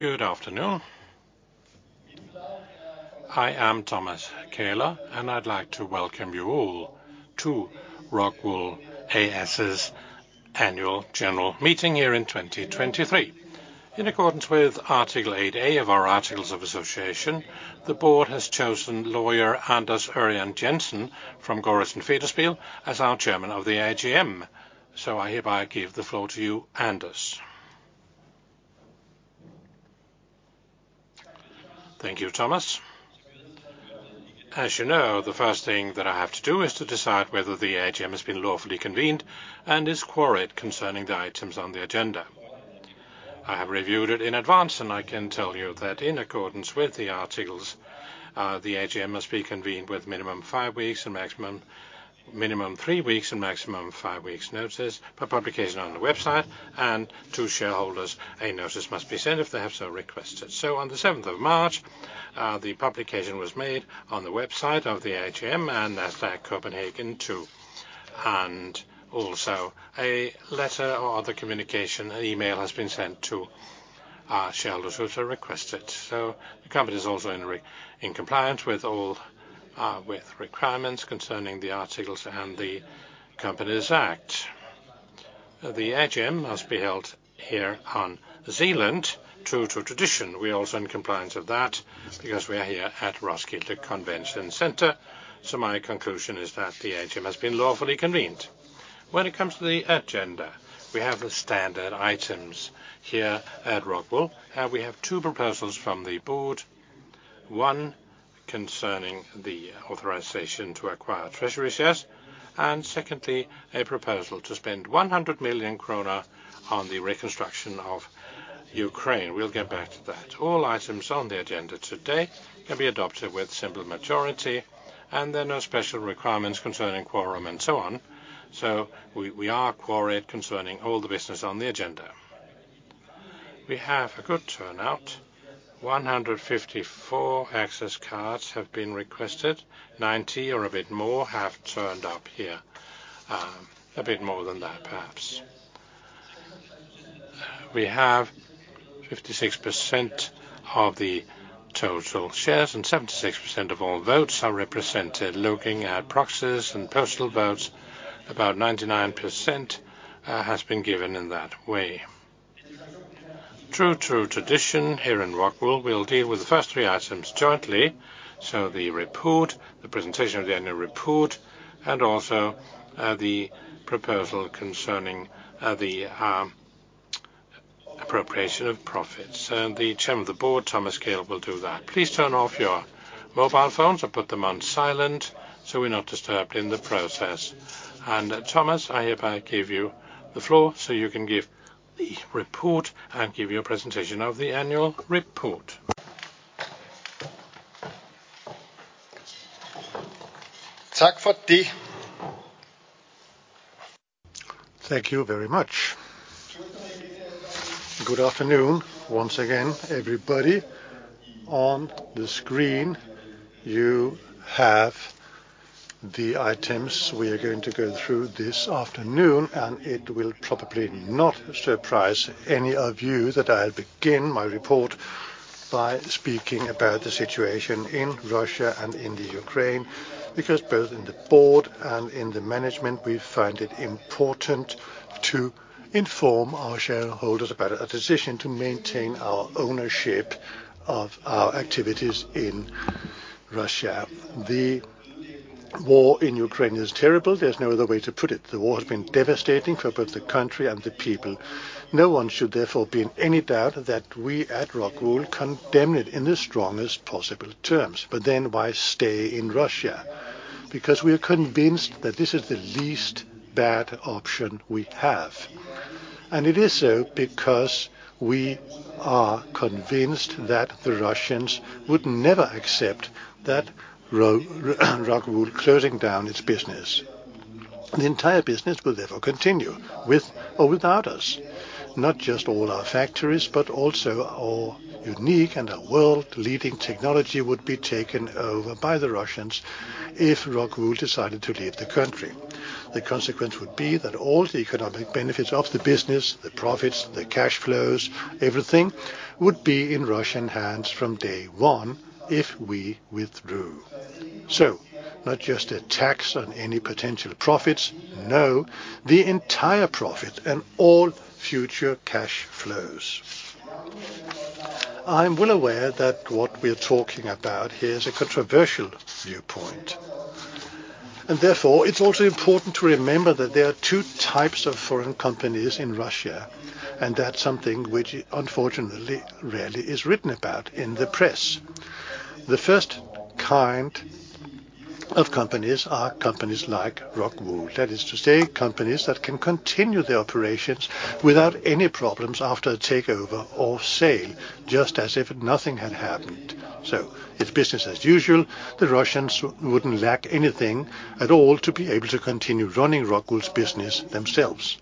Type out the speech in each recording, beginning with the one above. Good afternoon. I am Thomas Kähler, and I'd like to welcome you all to ROCKWOOL A/S' annual general meeting here in 2023. In accordance with Article 8A of our Articles of Association, the board has chosen lawyer Anders Ørjan Jensen from Gorrissen Federspiel as our Chairman of the AGM. I hereby give the floor to you, Anders. Thank you, Thomas. As you know, the first thing that I have to do is to decide whether the AGM has been lawfully convened and is quorate concerning the items on the agenda. I have reviewed it in advance, and I can tell you that in accordance with the articles, the AGM must be convened with minimum five weeks and maximum minimum three weeks and maximum five weeks notice for publication on the website, and to shareholders, a notice must be sent if they have so requested. On the 7th of March, the publication was made on the website of the AGM and Nasdaq Copenhagen too, and also a letter or other communication, an email has been sent to our shareholders who so requested. The company is also in compliance with all requirements concerning the articles and the Company's Act. The AGM must be held here on Zealand true to tradition. We're also in compliance of that because we are here at Roskilde Convention Center. My conclusion is that the AGM has been lawfully convened. When it comes to the agenda, we have the standard items here at ROCKWOOL. We have two proposals from the board, one concerning the authorization to acquire treasury shares, and secondly, a proposal to spend 100 million kroner on the reconstruction of Ukraine. We'll get back to that. All items on the agenda today can be adopted with simple majority, there are no special requirements concerning quorum and so on. We are quorate concerning all the business on the agenda. We have a good turnout. 154 access cards have been requested. 90 or a bit more have turned up here. A bit more than that, perhaps. We have 56% of the total shares, and 76% of all votes are represented. Looking at proxies and personal votes, about 99% has been given in that way. True to tradition here in ROCKWOOL, we'll deal with the first three items jointly, so the report, the presentation of the annual report, and also the proposal concerning the appropriation of profits. The Chairman of the Board, Thomas Kähler, will do that. Please turn off your mobile phones or put them on silent, so we're not disturbed in the process. Thomas, I hereby give you the floor, so you can give the report and give your presentation of the annual report. Thank you very much. Good afternoon once again, everybody. On the screen, you have the items we are going to go through this afternoon. It will probably not surprise any of you that I'll begin my report by speaking about the situation in Russia and in Ukraine, because both in the board and in the management, we find it important to inform our shareholders about a decision to maintain our ownership of our activities in Russia. The war in Ukraine is terrible. There's no other way to put it. The war has been devastating for both the country and the people. No one should therefore be in any doubt that we at ROCKWOOL condemn it in the strongest possible terms. Why stay in Russia? We are convinced that this is the least bad option we have. It is so because we are convinced that the Russians would never accept that ROCKWOOL closing down its business. The entire business will therefore continue with or without us. Not just all our factories, but also our unique and our world-leading technology would be taken over by the Russians if ROCKWOOL decided to leave the country. The consequence would be that all the economic benefits of the business, the profits, the cash flows, everything, would be in Russian hands from day one if we withdrew. Not just a tax on any potential profits, no, the entire profit and all future cash flows. I'm well aware that what we're talking about here is a controversial viewpoint. Therefore, it's also important to remember that there are two types of foreign companies in Russia. That's something which unfortunately rarely is written about in the press. The first kind of companies are companies like ROCKWOOL. That is to say, companies that can continue their operations without any problems after a takeover or sale, just as if nothing had happened. It's business as usual. The Russians wouldn't lack anything at all to be able to continue running ROCKWOOL's business themselves.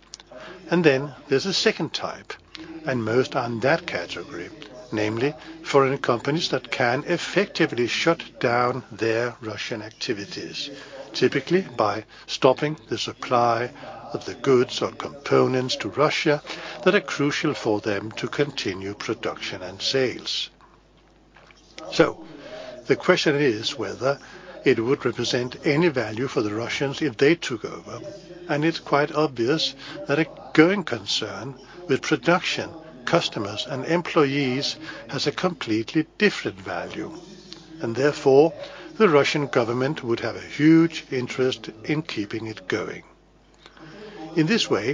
Then there's a second type, and most are in that category, namely foreign companies that can effectively shut down their Russian activities, typically by stopping the supply of the goods or components to Russia that are crucial for them to continue production and sales. The question is whether it would represent any value for the Russians if they took over, and it's quite obvious that a going concern with production, customers, and employees has a completely different value, and therefore, the Russian government would have a huge interest in keeping it going. In this way,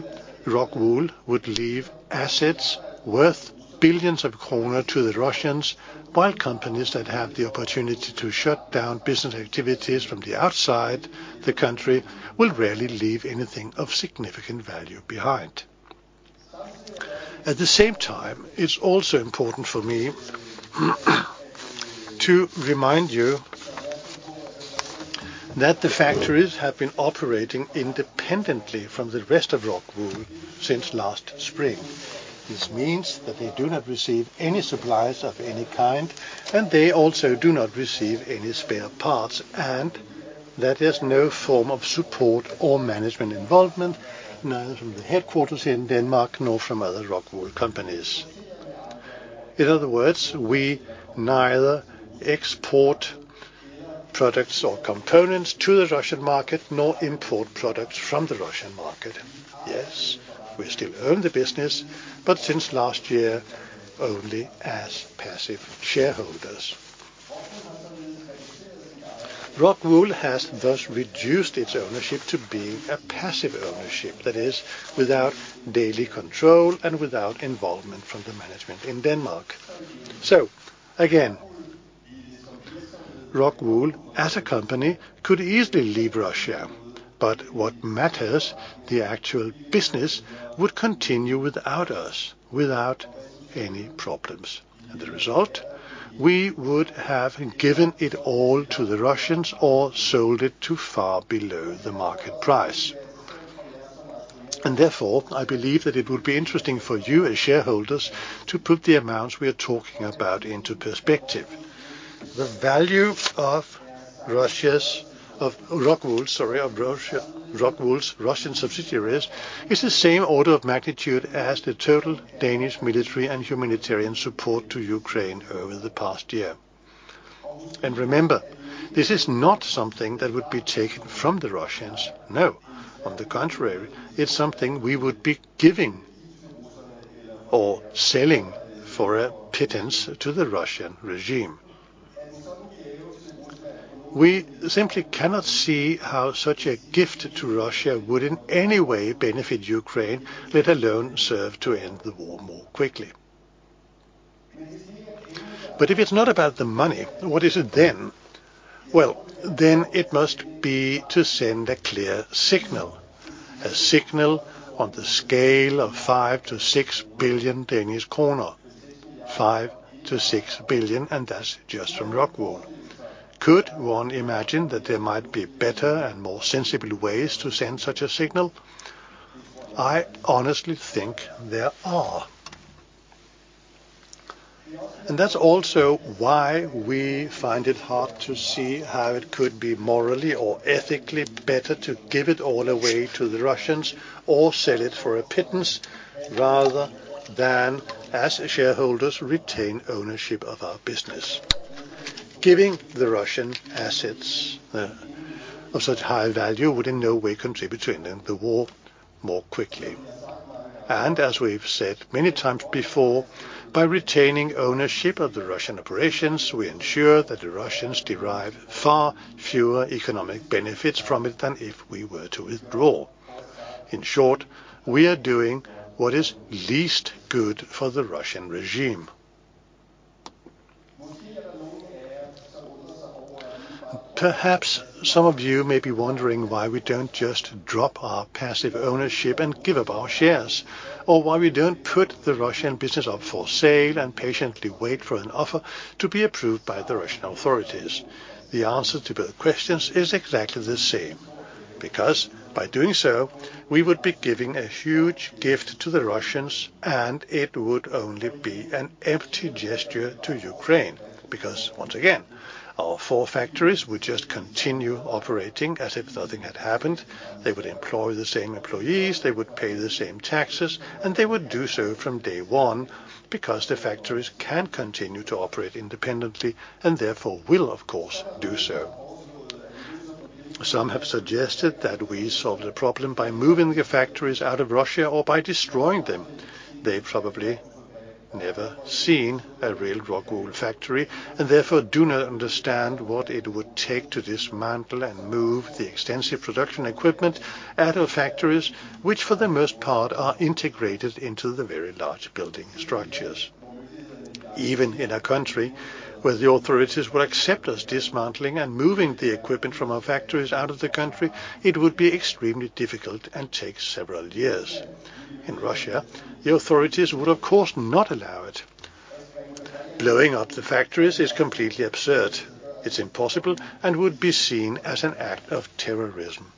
ROCKWOOL would leave assets worth billions of DKK to the Russians, while companies that have the opportunity to shut down business activities from the outside the country will rarely leave anything of significant value behind. At the same time, it's also important for me to remind you that the factories have been operating independently from the rest of ROCKWOOL since last spring. This means that they do not receive any supplies of any kind, and they also do not receive any spare parts, and there is no form of support or management involvement, neither from the headquarters here in Denmark nor from other ROCKWOOL companies. In other words, we neither export products or components to the Russian market nor import products from the Russian market. Yes, we still own the business, but since last year, only as passive shareholders. ROCKWOOL has thus reduced its ownership to being a passive ownership. That is, without daily control and without involvement from the management in Denmark. Again, ROCKWOOL as a company could easily leave Russia, but what matters, the actual business would continue without us, without any problems. The result, we would have given it all to the Russians or sold it to far below the market price. Therefore, I believe that it would be interesting for you as shareholders to put the amounts we are talking about into perspective. The value of ROCKWOOL's Russian subsidiaries is the same order of magnitude as the total Danish military and humanitarian support to Ukraine over the past year. Remember, this is not something that would be taken from the Russians. No. On the contrary, it's something we would be giving or selling for a pittance to the Russian regime. We simply cannot see how such a gift to Russia would in any way benefit Ukraine, let alone serve to end the war more quickly. If it's not about the money, what is it then? Then it must be to send a clear signal. A signal on the scale of 5 billion-6 billion Danish kroner. 5 billion-6 billion, that's just from ROCKWOOL. Could one imagine that there might be better and more sensible ways to send such a signal? I honestly think there are. That's also why we find it hard to see how it could be morally or ethically better to give it all away to the Russians or sell it for a pittance rather than, as shareholders, retain ownership of our business. Giving the Russian assets of such high value would in no way contribute to ending the war more quickly. As we've said many times before, by retaining ownership of the Russian operations, we ensure that the Russians derive far fewer economic benefits from it than if we were to withdraw. In short, we are doing what is least good for the Russian regime. Perhaps some of you may be wondering why we don't just drop our passive ownership and give up our shares, or why we don't put the Russian business up for sale and patiently wait for an offer to be approved by the Russian authorities. The answer to both questions is exactly the same. By doing so, we would be giving a huge gift to the Russians, and it would only be an empty gesture to Ukraine. Once again, our four factories would just continue operating as if nothing had happened. They would employ the same employees, they would pay the same taxes, and they would do so from day one because the factories can continue to operate independently and therefore will of course do so. Some have suggested that we solve the problem by moving the factories out of Russia or by destroying them. They've probably never seen a real ROCKWOOL factory and therefore do not understand what it would take to dismantle and move the extensive production equipment at our factories, which for the most part are integrated into the very large building structures. Even in a country where the authorities would accept us dismantling and moving the equipment from our factories out of the country, it would be extremely difficult and take several years. In Russia, the authorities would of course not allow it. Blowing up the factories is completely absurd. It's impossible and would be seen as an act of terrorism.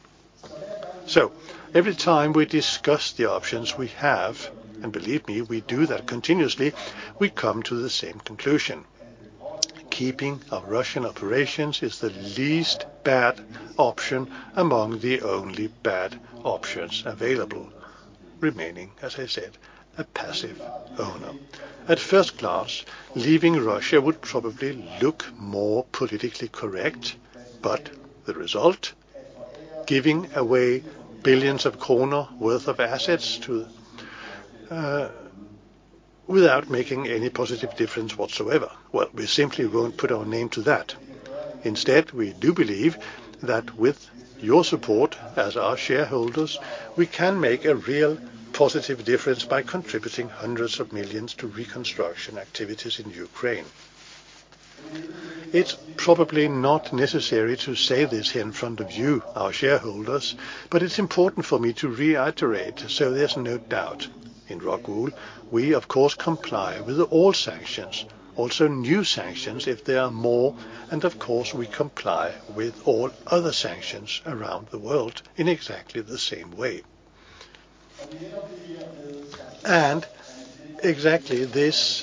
Every time we discuss the options we have, and believe me, we do that continuously, we come to the same conclusion. Keeping our Russian operations is the least bad option among the only bad options available. Remaining, as I said, a passive owner. At first glance, leaving Russia would probably look more politically correct, but the result, giving away billions of koruna worth of assets to, without making any positive difference whatsoever. We simply won't put our name to that. Instead, we do believe that with your support as our shareholders, we can make a real positive difference by contributing EUR hundreds of millions to reconstruction activities in Ukraine. It's probably not necessary to say this here in front of you, our shareholders, but it's important for me to reiterate, so there's no doubt. In ROCKWOOL, we of course comply with all sanctions, also new sanctions if there are more, and of course, we comply with all other sanctions around the world in exactly the same way. Exactly this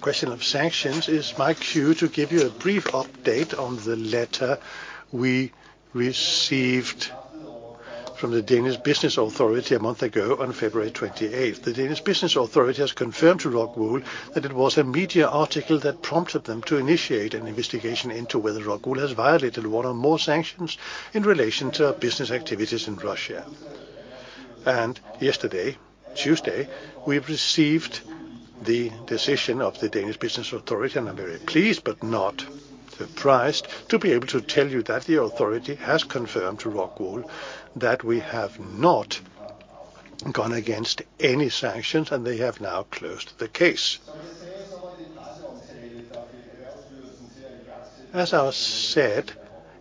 question of sanctions is my cue to give you a brief update on the letter we received from the Danish Business Authority a month ago on February 28th. The Danish Business Authority has confirmed to ROCKWOOL that it was a media article that prompted them to initiate an investigation into whether ROCKWOOL has violated one or more sanctions in relation to our business activities in Russia. Yesterday, Tuesday, we received the decision of the Danish Business Authority, and I'm very pleased but not surprised to be able to tell you that the authority has confirmed to ROCKWOOL that we have not gone against any sanctions, and they have now closed the case. As I said,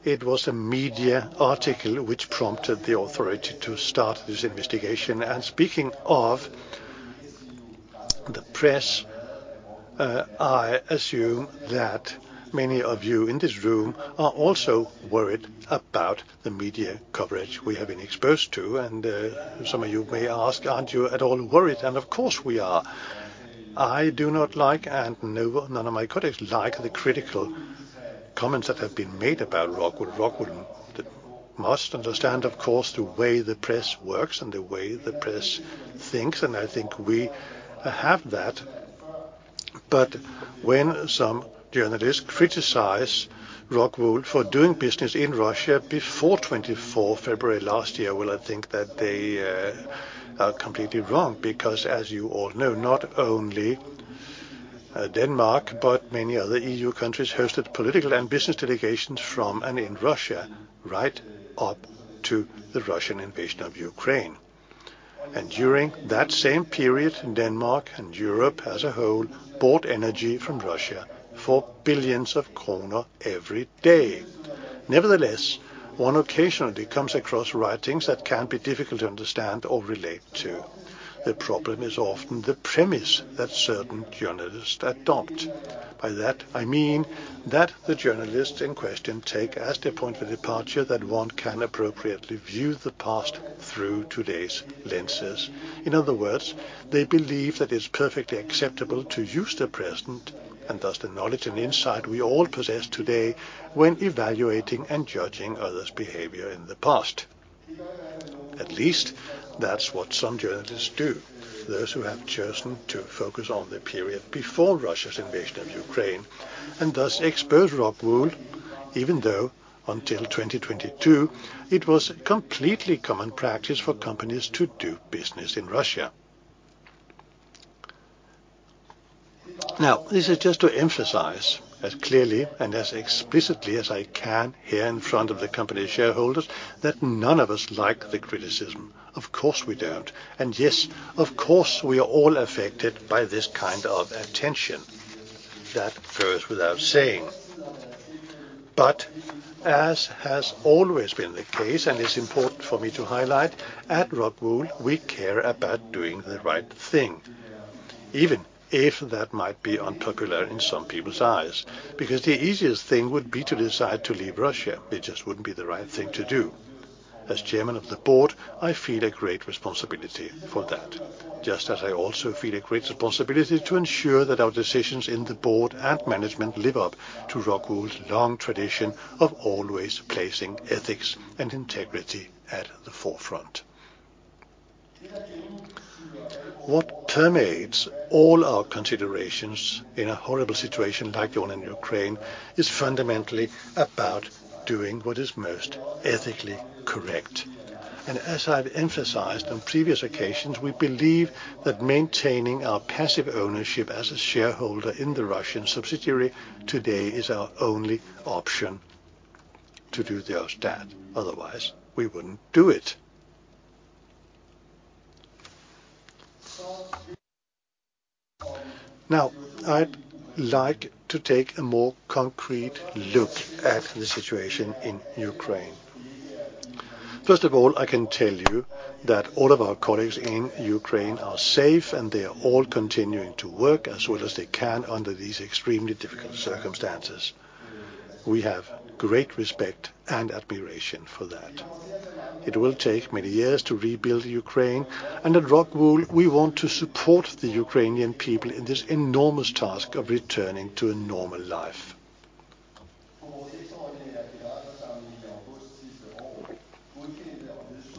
it was a media article which prompted the authority to start this investigation. Speaking of the press, I assume that many of you in this room are also worried about the media coverage we have been exposed to. Some of you may ask, "Aren't you at all worried?" Of course we are. I do not like, and no, none of my colleagues like the critical comments that have been made about ROCKWOOL. ROCKWOOL must understand, of course, the way the press works and the way the press thinks, and I think we have that. When some journalists criticize ROCKWOOL for doing business in Russia before 24th February last year, well, I think that they are completely wrong because as you all know, not only Denmark, but many other EU countries hosted political and business delegations from and in Russia right up to the Russian invasion of Ukraine. During that same period, Denmark and Europe as a whole bought energy from Russia for billions kroner every day. Nevertheless, one occasionally comes across writings that can be difficult to understand or relate to. The problem is often the premise that certain journalists adopt. By that, I mean that the journalists in question take as their point of departure that one can appropriately view the past through today's lenses. In other words, they believe that it's perfectly acceptable to use the present, and thus the knowledge and insight we all possess today, when evaluating and judging others' behavior in the past. At least that's what some journalists do, those who have chosen to focus on the period before Russia's invasion of Ukraine, and thus expose ROCKWOOL, even though until 2022 it was completely common practice for companies to do business in Russia. This is just to emphasize as clearly and as explicitly as I can here in front of the company shareholders that none of us like the criticism. Of course, we don't. Yes, of course, we are all affected by this kind of attention. That goes without saying. As has always been the case, and it's important for me to highlight, at ROCKWOOL, we care about doing the right thing, even if that might be unpopular in some people's eyes. The easiest thing would be to decide to leave Russia. It just wouldn't be the right thing to do. As Chairman of the Board, I feel a great responsibility for that, just as I also feel a great responsibility to ensure that our decisions in the board and management live up to ROCKWOOL's long tradition of always placing ethics and integrity at the forefront. What permeates all our considerations in a horrible situation like the one in Ukraine is fundamentally about doing what is most ethically correct. As I've emphasized on previous occasions, we believe that maintaining our passive ownership as a shareholder in the Russian subsidiary today is our only option to do just that. Otherwise, we wouldn't do it. Now, I'd like to take a more concrete look at the situation in Ukraine. First of all, I can tell you that all of our colleagues in Ukraine are safe, and they are all continuing to work as well as they can under these extremely difficult circumstances. We have great respect and admiration for that. It will take many years to rebuild Ukraine, and at ROCKWOOL, we want to support the Ukrainian people in this enormous task of returning to a normal life.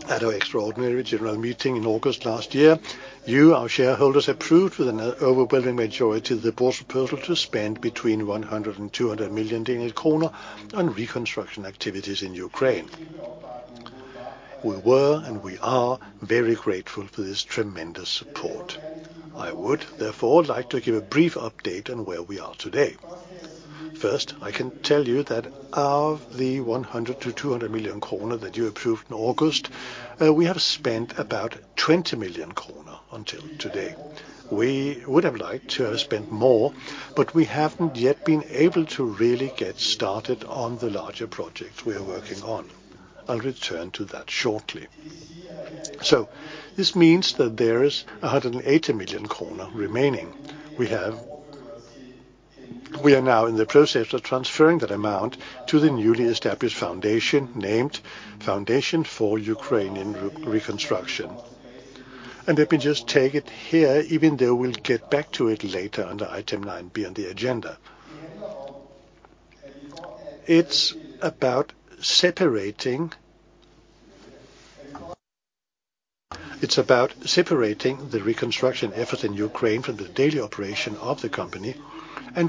At our extraordinary general meeting in August last year, you, our shareholders, approved with an overwhelming majority the board's proposal to spend between 100 million and 200 million Danish kroner on reconstruction activities in Ukraine. We were, and we are, very grateful for this tremendous support. I would therefore like to give a brief update on where we are today. First, I can tell you that of the 100 million to 200 million kroner that you approved in August, we have spent about 20 million kroner until today. We would have liked to have spent more, but we haven't yet been able to really get started on the larger project we are working on. I'll return to that shortly. This means that there is 180 million krone remaining. We are now in the process of transferring that amount to the newly established foundation named Foundation for Ukrainian Reconstruction. Let me just take it here even though we'll get back to it later under item 9b on the agenda. It's about separating the reconstruction effort in Ukraine from the daily operation of the company.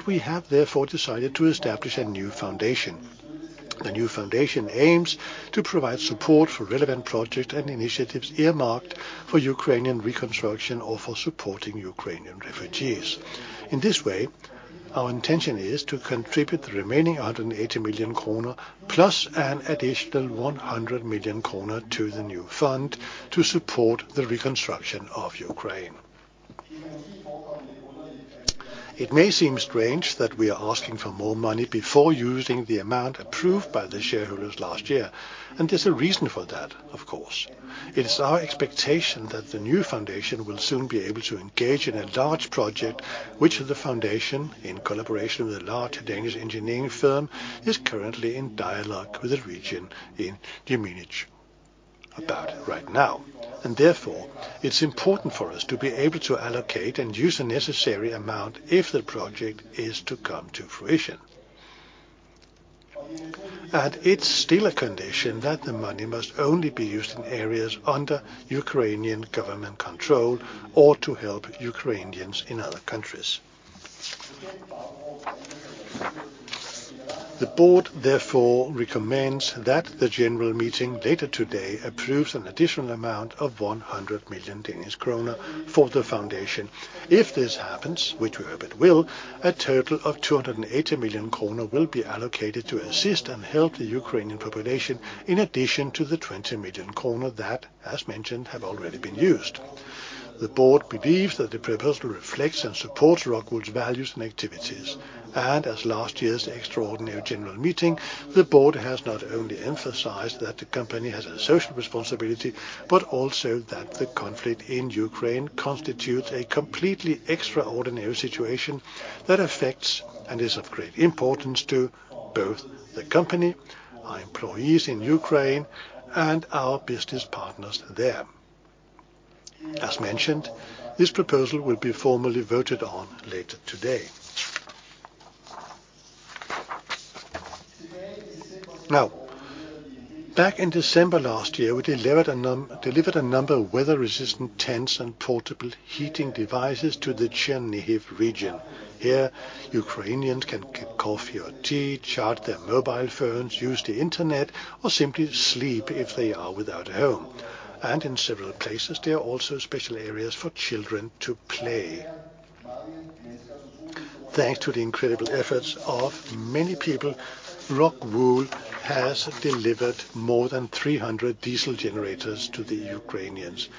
We have therefore decided to establish a new foundation. The new foundation aims to provide support for relevant projects and initiatives earmarked for Ukrainian reconstruction or for supporting Ukrainian refugees. In this way, our intention is to contribute the remaining 180 million kroner, plus an additional 100 million kroner to the new fund to support the reconstruction of Ukraine. It may seem strange that we are asking for more money before using the amount approved by the shareholders last year, and there's a reason for that, of course. It is our expectation that the new foundation will soon be able to engage in a large project, which the foundation, in collaboration with a large Danish engineering firm, is currently in dialogue with the region in Chernihiv about right now, and therefore it's important for us to be able to allocate and use the necessary amount if the project is to come to fruition. It's still a condition that the money must only be used in areas under Ukrainian government control or to help Ukrainians in other countries. The board therefore recommends that the general meeting later today approves an additional amount of 100 million Danish kroner for the foundation. If this happens, which we hope it will, a total of 280 million kroner will be allocated to assist and help the Ukrainian population in addition to the 20 million kroner that, as mentioned, have already been used. The board believes that the proposal reflects and supports ROCKWOOL's values and activities. As last year's extraordinary general meeting, the board has not only emphasized that the company has a social responsibility, but also that the conflict in Ukraine constitutes a completely extraordinary situation that affects and is of great importance to both the company, our employees in Ukraine, and our business partners there. As mentioned, this proposal will be formally voted on later today. Back in December last year, we delivered a number of weather-resistant tents and portable heating devices to the Chernihiv region. Here, Ukrainians can get coffee or tea, charge their mobile phones, use the internet, or simply sleep if they are without a home. In several places, there are also special areas for children to play. Thanks to the incredible efforts of many people, ROCKWOOL has delivered more than 300 diesel generators to the Ukrainians.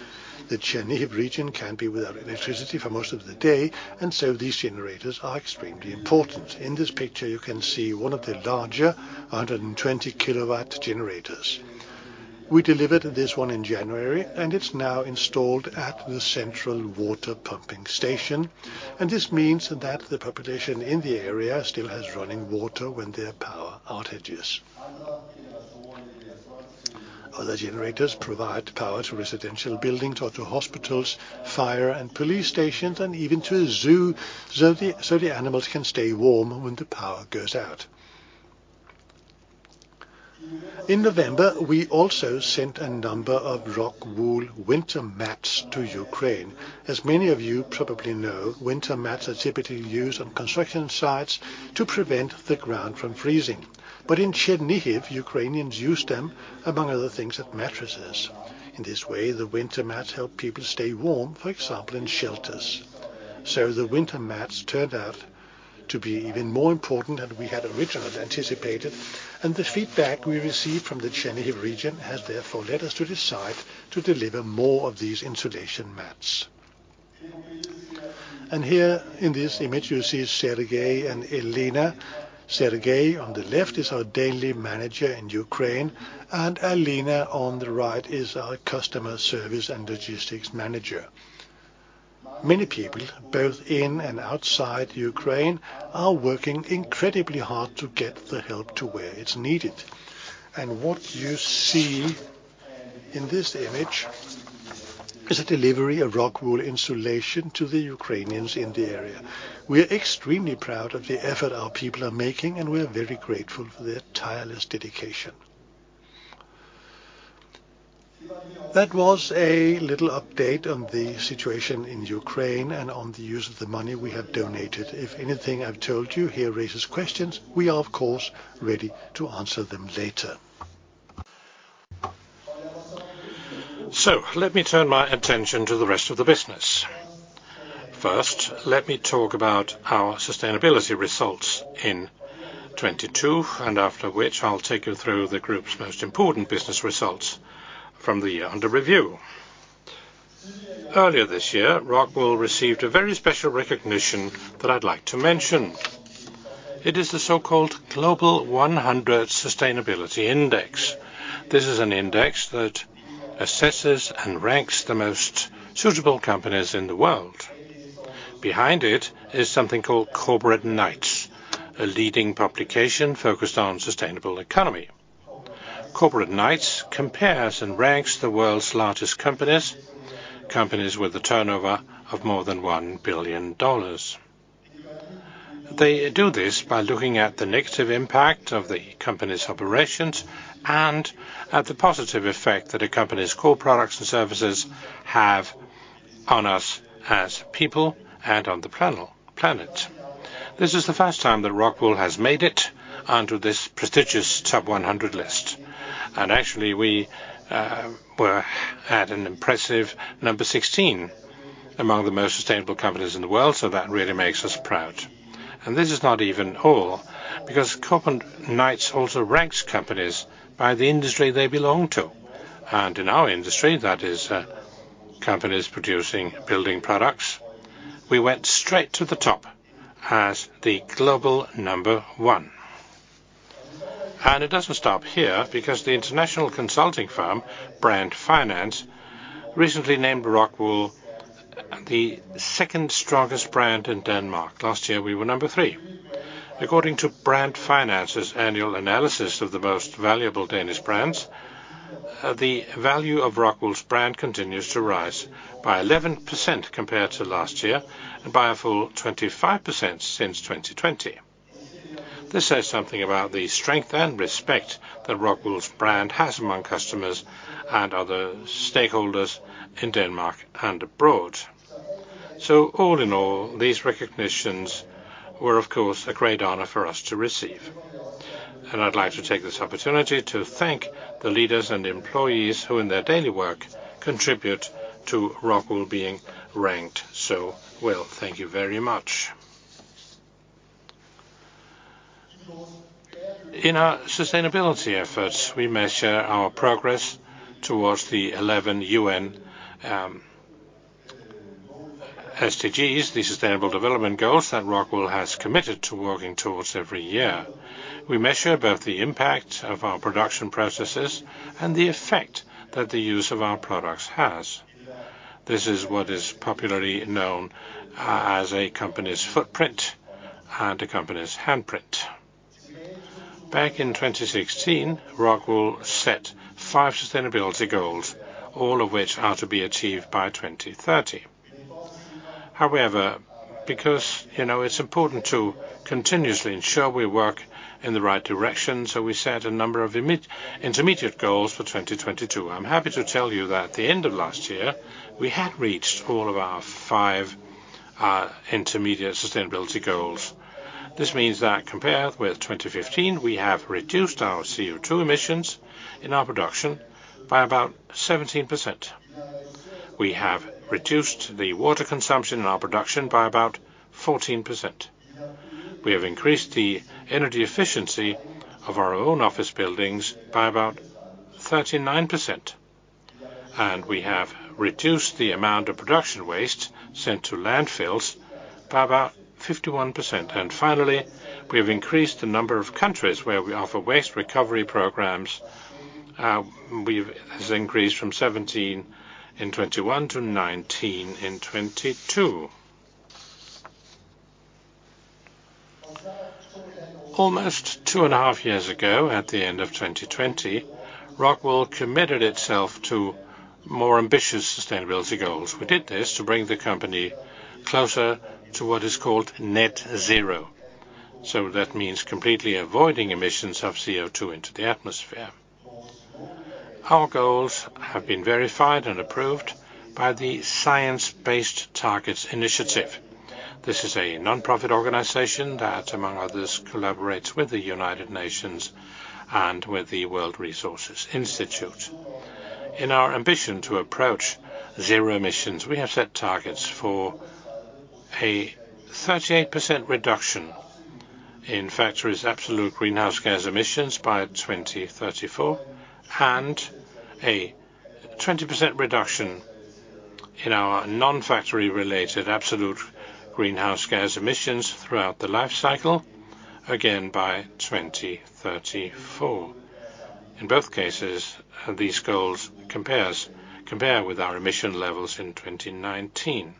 The Chernihiv region can be without electricity for most of the day, and so these generators are extremely important. In this picture you can see one of the larger 120 kW generators. We delivered this one in January, and it's now installed at the central water pumping station, and this means that the population in the area still has running water when there are power outages. Other generators provide power to residential buildings or to hospitals, fire and police stations, and even to a zoo, so the animals can stay warm when the power goes out. In November, we also sent a number of ROCKWOOL winter mats to Ukraine. As many of you probably know, winter mats are typically used on construction sites to prevent the ground from freezing. In Chernihiv, Ukrainians use them, among other things, as mattresses. In this way, the winter mats help people stay warm, for example, in shelters. The winter mats turned out to be even more important than we had originally anticipated, and the feedback we received from the Chernihiv region has therefore led us to decide to deliver more of these insulation mats. Here in this image you see Sergei and Elena. Sergei on the left is our daily manager in Ukraine, and Elena on the right is our Customer Service and Logistics Manager. Many people, both in and outside Ukraine, are working incredibly hard to get the help to where it's needed, and what you see in this image. Is a delivery of ROCKWOOL insulation to the Ukrainians in the area. We are extremely proud of the effort our people are making, we are very grateful for their tireless dedication. That was a little update on the situation in Ukraine and on the use of the money we have donated. If anything I've told you here raises questions, we are, of course, ready to answer them later. Let me turn my attention to the rest of the business. First, let me talk about our sustainability results in 2022, after which I'll take you through the group's most important business results from the year under review. Earlier this year, ROCKWOOL received a very special recognition that I'd like to mention. It is the so-called Global 100 sustainability index. This is an index that assesses and ranks the most sustainable companies in the world. Behind it is something called Corporate Knights, a leading publication focused on sustainable economy. Corporate Knights compares and ranks the world's largest companies with a turnover of more than $1 billion. They do this by looking at the negative impact of the company's operations and at the positive effect that a company's core products and services have on us as people and on the planet. This is the first time that ROCKWOOL has made it onto this prestigious sub 100 list. Actually we were at an impressive number 16 among the most sustainable companies in the world, so that really makes us proud. This is not even all, because Corporate Knights also ranks companies by the industry they belong to. In our industry, that is, companies producing building products, we went straight to the top as the global number one. It doesn't stop here because the international consulting firm, Brand Finance, recently named ROCKWOOL the second strongest brand in Denmark. Last year, we were number three. According to Brand Finance's annual analysis of the most valuable Danish brands, the value of ROCKWOOL's brand continues to rise by 11% compared to last year and by a full 25% since 2020. This says something about the strength and respect that ROCKWOOL's brand has among customers and other stakeholders in Denmark and abroad. All in all, these recognitions were, of course, a great honor for us to receive. I'd like to take this opportunity to thank the leaders and employees who in their daily work contribute to ROCKWOOL being ranked so well. Thank you very much. In our sustainability efforts, we measure our progress towards the 11 UN SDGs, the Sustainable Development Goals that ROCKWOOL has committed to working towards every year. We measure both the impact of our production processes and the effect that the use of our products has. This is what is popularly known as a company's footprint and a company's handprint. Back in 2016, ROCKWOOL set five sustainability goals, all of which are to be achieved by 2030. However, because, you know, it's important to continuously ensure we work in the right direction, so we set a number of intermediate goals for 2022. I'm happy to tell you that at the end of last year, we had reached all of our five intermediate sustainability goals. This means that compared with 2015, we have reduced our CO₂ emissions in our production by about 17%. We have reduced the water consumption in our production by about 14%. We have increased the energy efficiency of our own office buildings by about 39%. We have reduced the amount of production waste sent to landfills by about 51%. Finally, we have increased the number of countries where we offer waste recovery programs, has increased from 17 in 2021 to 19 in 2022. Almost two and a half years ago, at the end of 2020, ROCKWOOL committed itself to more ambitious sustainability goals. We did this to bring the company closer to what is called net zero. That means completely avoiding emissions of CO₂ into the atmosphere. Our goals have been verified and approved by the Science Based Targets initiative. This is a nonprofit organization that, among others, collaborates with the United Nations and with the World Resources Institute. In our ambition to approach zero emissions, we have set targets for a 38% reduction in factories' absolute greenhouse gas emissions by 2034 and a 20% reduction in our non-factory-related absolute greenhouse gas emissions throughout the life cycle, again by 2034. In both cases, these goals compare with our emission levels in 2019.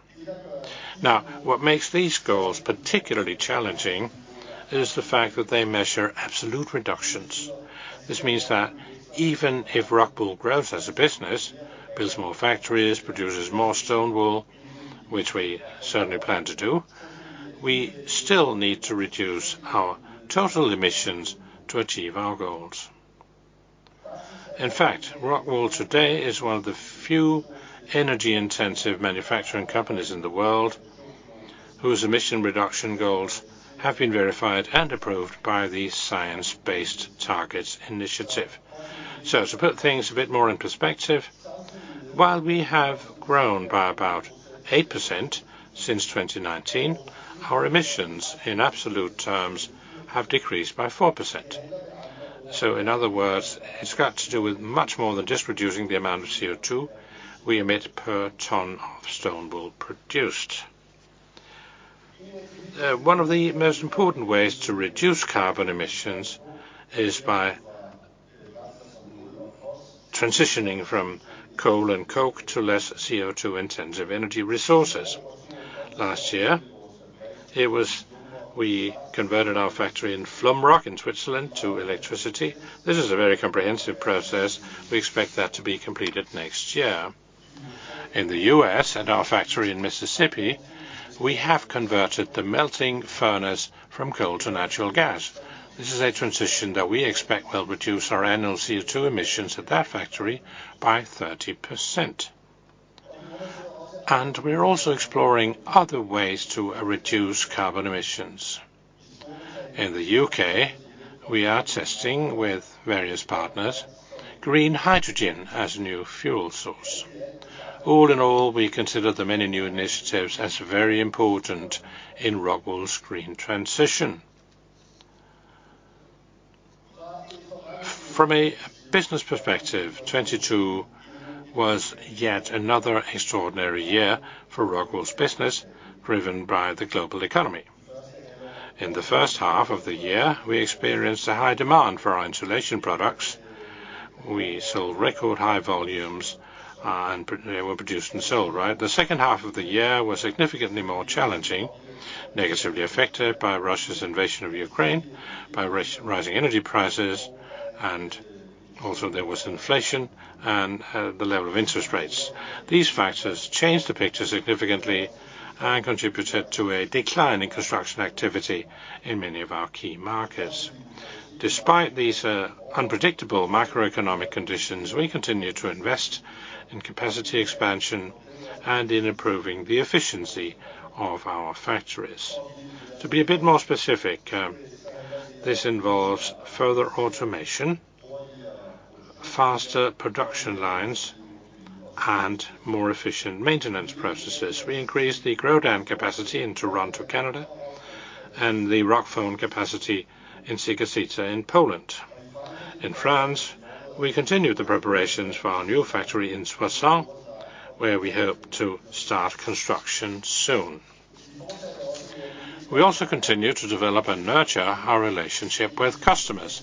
What makes these goals particularly challenging is the fact that they measure absolute reductions. This means that even if ROCKWOOL grows as a business, builds more factories, produces more stone wool, which we certainly plan to do, we still need to reduce our total emissions to achieve our goals. In fact, ROCKWOOL today is one of the few energy-intensive manufacturing companies in the world whose emission reduction goals have been verified and approved by the Science-Based Targets initiative. To put things a bit more in perspective, while we have grown by about 8% since 2019, our emissions in absolute terms have decreased by 4%. In other words, it's got to do with much more than just reducing the amount of CO₂ we emit per ton of stone wool produced. One of the most important ways to reduce carbon emissions is by transitioning from coal and coke to less CO₂-intensive energy resources. Last year, it was we converted our factory in Flumserberg in Switzerland to electricity. This is a very comprehensive process. We expect that to be completed next year. In the U.S., at our factory in Mississippi, we have converted the melting furnace from coal to natural gas. This is a transition that we expect will reduce our annual CO₂ emissions at that factory by 30%. We're also exploring other ways to reduce carbon emissions. In the U.K., we are testing with various partners, green hydrogen as a new fuel source. All in all, we consider the many new initiatives as very important in ROCKWOOL's green transition. From a business perspective, 2022 was yet another extraordinary year for ROCKWOOL's business, driven by the global economy. In the first half of the year, we experienced a high demand for our insulation products. We sold record high volumes, and they were produced and sold, right? The second half of the year was significantly more challenging, negatively affected by Russia's invasion of Ukraine, by rising energy prices, and also there was inflation and the level of interest rates. These factors changed the picture significantly and contributed to a decline in construction activity in many of our key markets. Despite these unpredictable macroeconomic conditions, we continue to invest in capacity expansion and in improving the efficiency of our factories. To be a bit more specific, this involves further automation, faster production lines, and more efficient maintenance processes. We increased the Grodan capacity in Toronto, Canada, and the Rockfon capacity in Cigacice, in Poland. In France, we continued the preparations for our new factory in Soissons, where we hope to start construction soon. We also continue to develop and nurture our relationship with customers,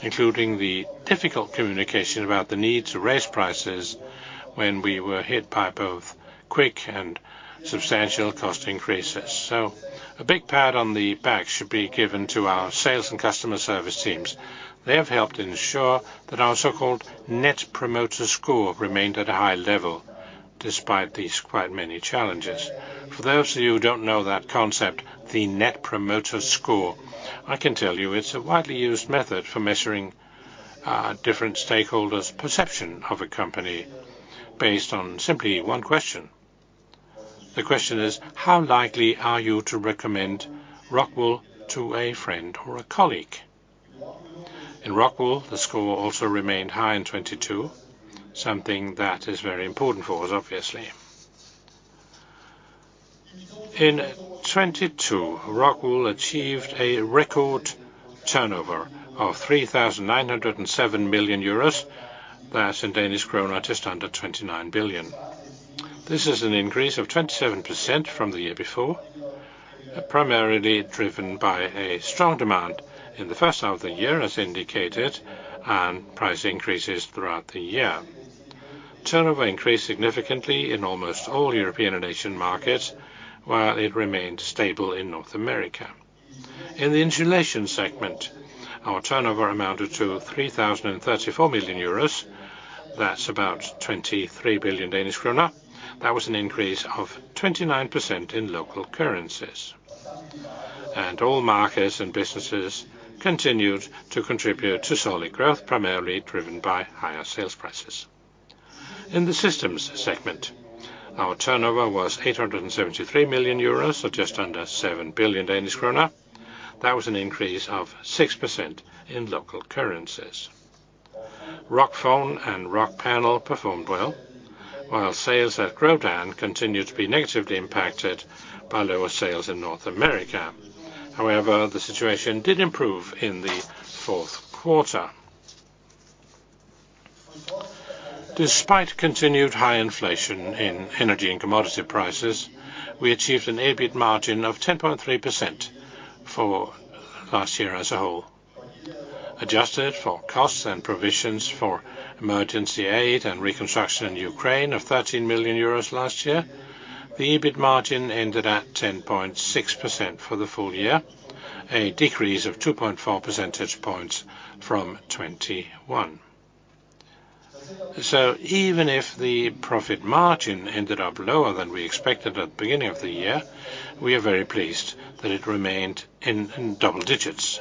including the difficult communication about the need to raise prices when we were hit by both quick and substantial cost increases. A big pat on the back should be given to our sales and customer service teams. They have helped ensure that our so-called Net Promoter Score remained at a high level despite these quite many challenges. For those of you who don't know that concept, the Net Promoter Score, I can tell you it's a widely used method for measuring different stakeholders' perception of a company based on simply one question. The question is, how likely are you to recommend ROCKWOOL to a friend or a colleague? In ROCKWOOL, the score also remained high in 2022, something that is very important for us, obviously. In 2022, ROCKWOOL achieved a record turnover of 3,907 million euros. That's in Danish krone, just under 29 billion. This is an increase of 27% from the year before, primarily driven by a strong demand in the first half of the year, as indicated, and price increases throughout the year. Turnover increased significantly in almost all European and Asian markets, while it remained stable in North America. In the Insulation segment, our turnover amounted to 3,034 million euros. That's about 23 billion Danish krone. That was an increase of 29% in local currencies. All markets and businesses continued to contribute to solid growth, primarily driven by higher sales prices. In the Systems segment, our turnover was 873 million euros, just under 7 billion Danish krone. That was an increase of 6% in local currencies. Rockfon and Rockpanel performed well, while sales at Grodan continued to be negatively impacted by lower sales in North America. However, the situation did improve in the fourth quarter. Despite continued high inflation in energy and commodity prices, we achieved an EBIT margin of 10.3% for last year as a whole. Adjusted for costs and provisions for emergency aid and reconstruction in Ukraine of 13 million euros last year. The EBIT margin ended at 10.6% for the full year, a decrease of 2.4 percentage points from 2021. Even if the profit margin ended up lower than we expected at the beginning of the year, we are very pleased that it remained in double digits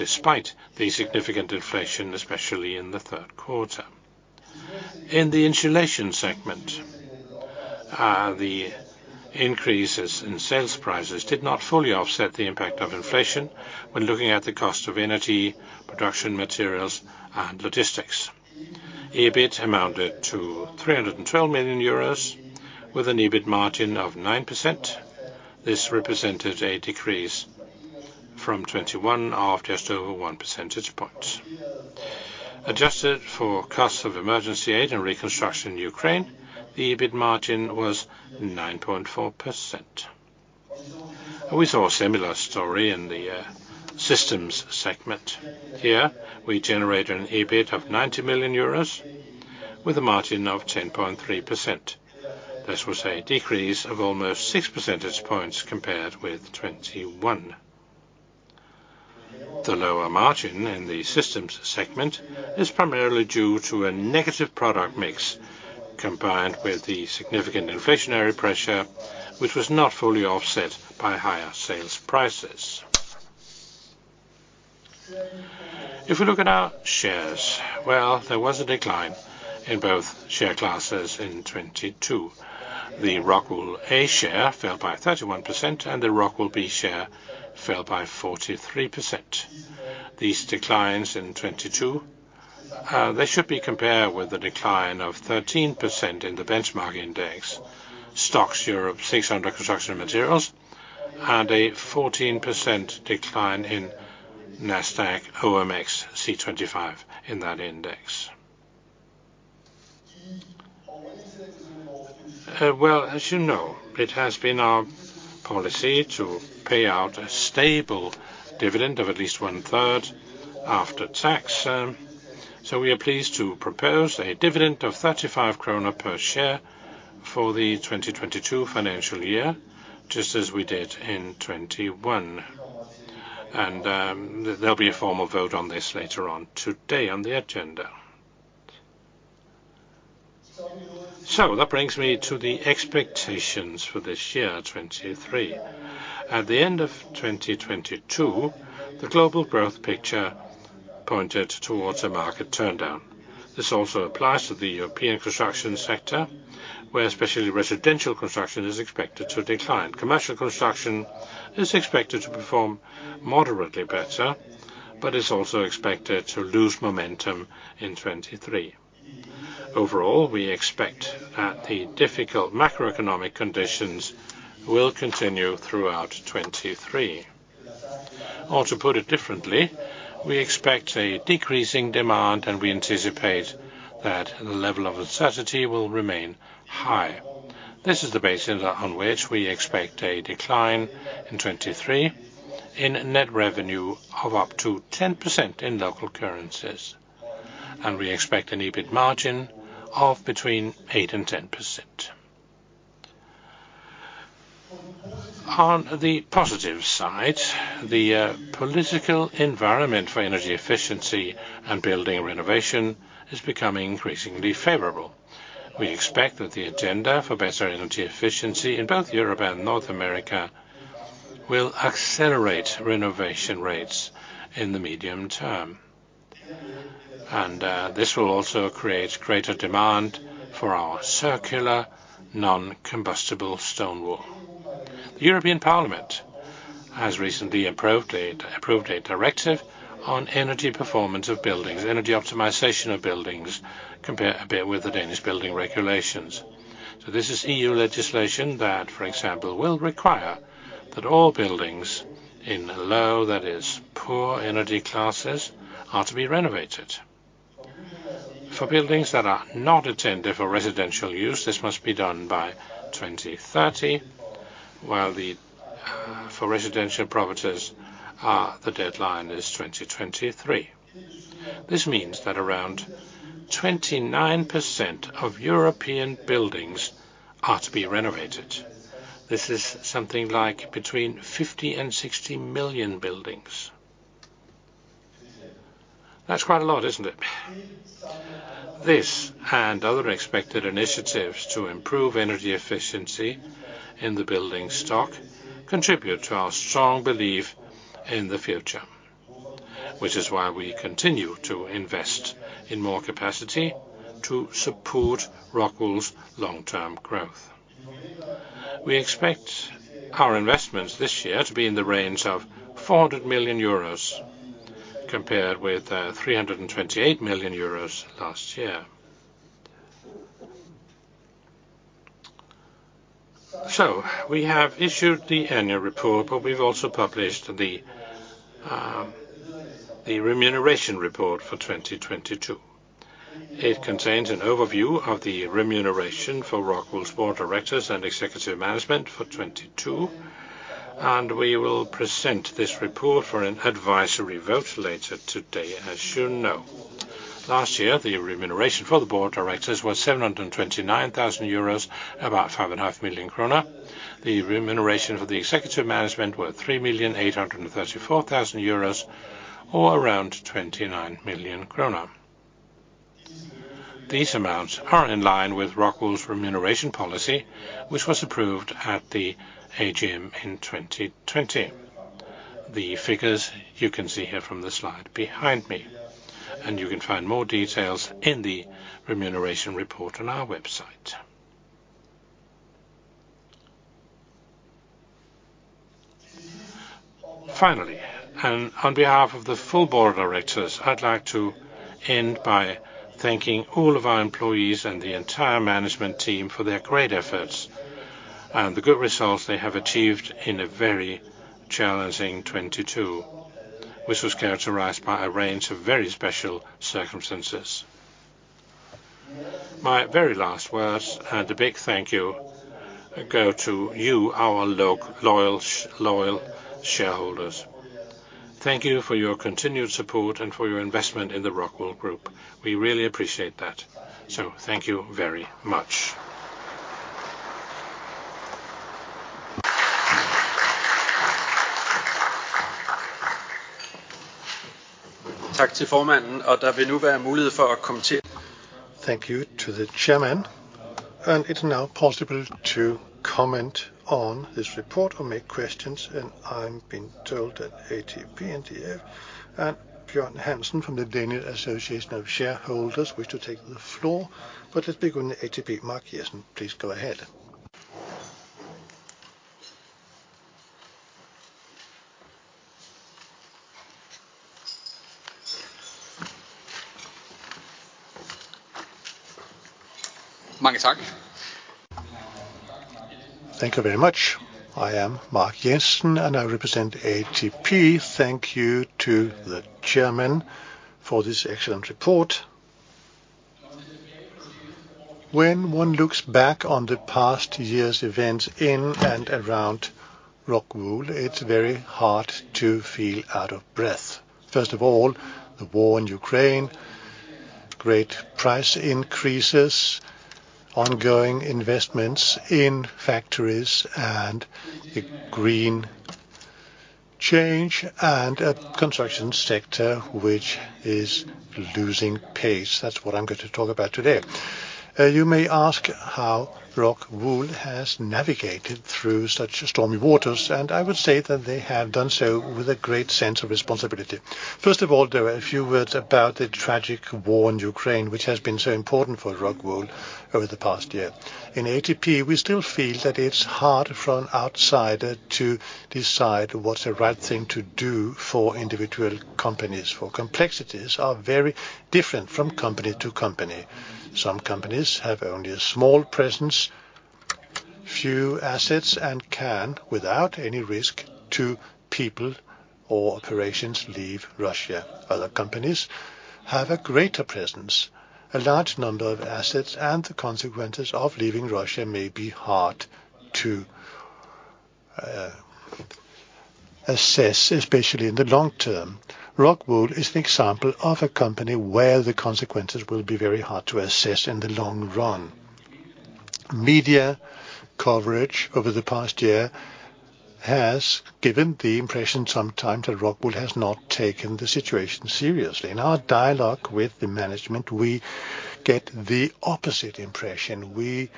despite the significant inflation, especially in the third quarter. In the insulation segment, the increases in sales prices did not fully offset the impact of inflation when looking at the cost of energy, production materials and logistics. EBIT amounted to 312 million euros with an EBIT margin of 9%. This represented a decrease from 2021 of just over 1 percentage point. Adjusted for cost of emergency aid and reconstruction in Ukraine, the EBIT margin was 9.4%. We saw a similar story in the systems segment. Here, we generated an EBIT of EUR 90 million with a margin of 10.3%. This was a decrease of almost 6 percentage points compared with 2021. The lower margin in the systems segment is primarily due to a negative product mix, combined with the significant inflationary pressure, which was not fully offset by higher sales prices. If we look at our shares, well, there was a decline in both share classes in 2022. The ROCKWOOL A share fell by 31% and the ROCKWOOL B share fell by 43%. These declines in 2022, they should be compared with a decline of 13% in the benchmark index STOXX Europe 600 Construction & Materials, and a 14% decline in Nasdaq OMXC25 in that index. Well, as you know, it has been our policy to pay out a stable dividend of at least 1/3 after tax, we are pleased to propose a dividend of 35 krone per share for the 2022 financial year, just as we did in 2021. There'll be a formal vote on this later on today on the agenda. That brings me to the expectations for this year, 2023. At the end of 2022, the global growth picture pointed towards a market turndown. This also applies to the European construction sector, where especially residential construction is expected to decline. Commercial construction is expected to perform moderately better, but is also expected to lose momentum in 2023. Overall, we expect that the difficult macroeconomic conditions will continue throughout 2023. To put it differently, we expect a decreasing demand, and we anticipate that the level of uncertainty will remain high. This is the basis on which we expect a decline in 2023 in net revenue of up to 10% in local currencies, and we expect an EBIT margin of between 8%-10%. On the positive side, the political environment for energy efficiency and building renovation is becoming increasingly favorable. We expect that the agenda for better energy efficiency in both Europe and North America will accelerate renovation rates in the medium term. This will also create greater demand for our circular non-combustible stone wool. The European Parliament has recently approved a directive on Energy Performance of Buildings, energy optimization of buildings, compare, a bit with the Danish building regulations. This is EU legislation that, for example, will require that all buildings in low, that is poor energy classes, are to be renovated. For buildings that are not attended for residential use, this must be done by 2030, while the for residential properties, the deadline is 2023. This means that around 29% of European buildings are to be renovated. This is something like between 50 and 60 million buildings. That's quite a lot, isn't it? This and other expected initiatives to improve energy efficiency in the building stock contribute to our strong belief in the future, which is why we continue to invest in more capacity to support ROCKWOOL's long-term growth. We expect our investments this year to be in the range of 400 million euros compared with 328 million euros last year. We have issued the annual report, but we've also published the remuneration report for 2022. It contains an overview of the remuneration for ROCKWOOL's Board of Directors and Executive Management for 2022, and we will present this report for an advisory vote later today, as you know. Last year, the remuneration for the board of directors was EUR 729,000, about 5.5 million kroner. The remuneration for the executive management was EUR 3,834,000, or around DKK 29 million. These amounts are in line with ROCKWOOL's remuneration policy, which was approved at the AGM in 2020. The figures you can see here from the slide behind me, and you can find more details in the remuneration report on our website. Finally, and on behalf of the full board of directors, I'd like to end by thanking all of our employees and the entire management team for their great efforts and the good results they have achieved in a very challenging 2022, which was characterized by a range of very special circumstances. My very last words, and a big thank you, go to you, our loyal shareholders. Thank you for your continued support and for your investment in the ROCKWOOL Group. We really appreciate that, so thank you very much. Thank you to the chairman, and it's now possible to comment on this report or make questions. I'm being told that ATP, NTF, and Bjørn Hansen from the Danish Shareholders Association wish to take the floor. Let's begin with ATP. Mark Jensen, please go ahead. Thank you very much. I am Mark Jensen. I represent ATP. Thank you to the chairman for this excellent report. When one looks back on the past year's events in and around ROCKWOOL, it's very hard to feel out of breath. First of all, the war in Ukraine, great price increases, ongoing investments in factories, a green change, a construction sector which is losing pace. That's what I'm going to talk about today. You may ask how ROCKWOOL has navigated through such stormy waters. I would say that they have done so with a great sense of responsibility. First of all, there are a few words about the tragic war in Ukraine, which has been so important for ROCKWOOL over the past year. In ATP, we still feel that it's hard for an outsider to decide what's the right thing to do for individual companies, for complexities are very different from company to company. Some companies have only a small presence, few assets, and can, without any risk to people or operations, leave Russia. Other companies have a greater presence, a large number of assets, and the consequences of leaving Russia may be hard to assess, especially in the long term. ROCKWOOL is an example of a company where the consequences will be very hard to assess in the long run. Media coverage over the past year has given the impression some time that ROCKWOOL has not taken the situation seriously. In our dialogue with the management, we get the opposite impression. We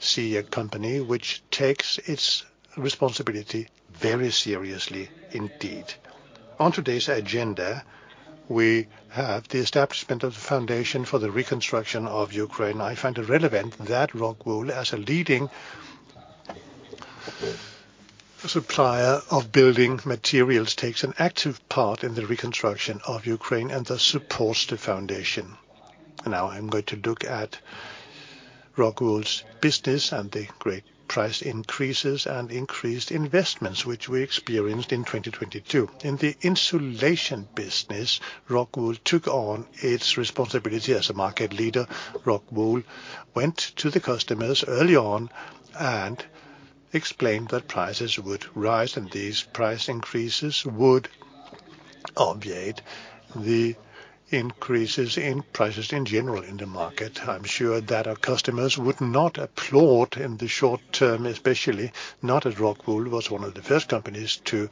see a company which takes its responsibility very seriously indeed. On today's agenda, we have the establishment of the Foundation for the Reconstruction of Ukraine. I find it relevant that ROCKWOOL, as a leading supplier of building materials, takes an active part in the reconstruction of Ukraine and thus supports the foundation. Now I'm going to look at ROCKWOOL's business and the great price increases and increased investments which we experienced in 2022. In the insulation business, ROCKWOOL took on its responsibility as a market leader. ROCKWOOL went to the customers early on and explained that prices would rise, and these price increases would obviate the increases in prices in general in the market. I'm sure that our customers would not applaud in the short term, especially not as ROCKWOOL was one of the first companies to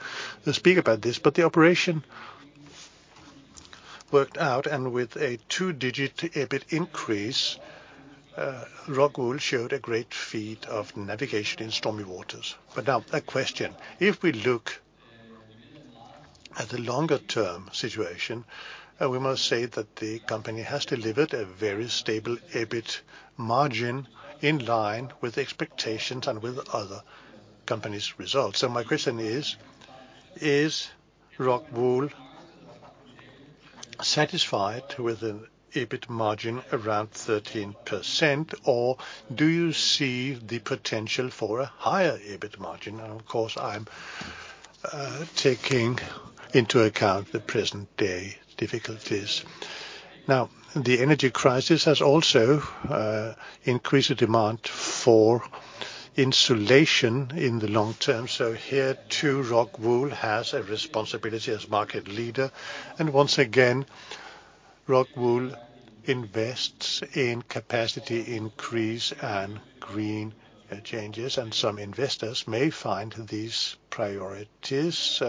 speak about this. The operation worked out, and with a two-digit EBIT increase, ROCKWOOL showed a great feat of navigation in stormy waters. A question. If we look at the longer term situation, we must say that the company has delivered a very stable EBIT margin in line with expectations and with other companies' results. My question is ROCKWOOL satisfied with an EBIT margin around 13%, or do you see the potential for a higher EBIT margin? Of course, I'm taking into account the present day difficulties. The energy crisis has also increased the demand for insulation in the long term, so here too ROCKWOOL has a responsibility as market leader. Once again, ROCKWOOL invests in capacity increase and green changes, and some investors may find these priorities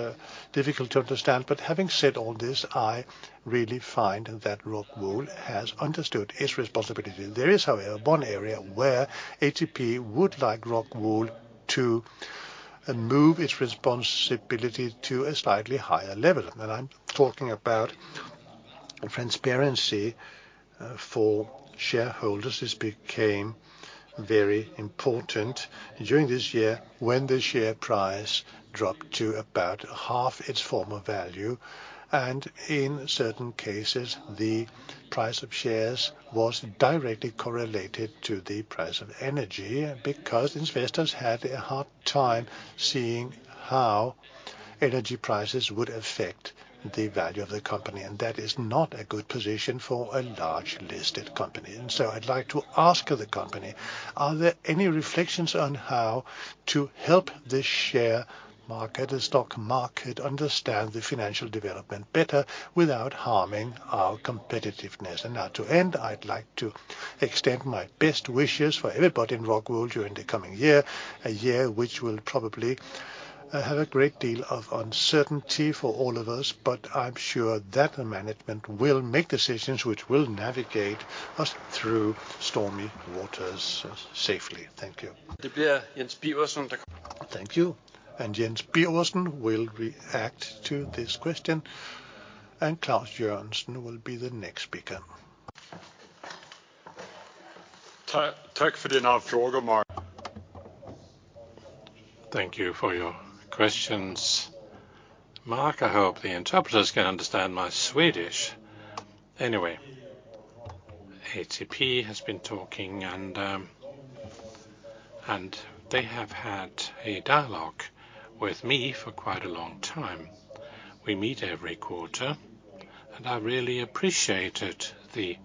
difficult to understand. Having said all this, I really find that ROCKWOOL has understood its responsibility. There is, however, one area where HCP would like ROCKWOOL to move its responsibility to a slightly higher level. I'm talking about transparency for shareholders. This became very important during this year when the share price dropped to about half its former value, and in certain cases, the price of shares was directly correlated to the price of energy, because investors had a hard time seeing how energy prices would affect the value of the company. That is not a good position for a large listed company. I'd like to ask of the company, are there any reflections on how to help the share market, the stock market, understand the financial development better without harming our competitiveness? Now to end, I'd like to extend my best wishes for everybody in ROCKWOOL during the coming year, a year which will probably have a great deal of uncertainty for all of us. I'm sure that the management will make decisions which will navigate us through stormy waters safely. Thank you. Thank you. Jens Birgersson will react to this question, and Klaus Sørensen will be the next speaker. Thank you for your questions, Mark. I hope the interpreters can understand my Swedish. HCP has been talking and they have had a dialogue with me for quite a long time. We meet every quarter, and I really appreciated the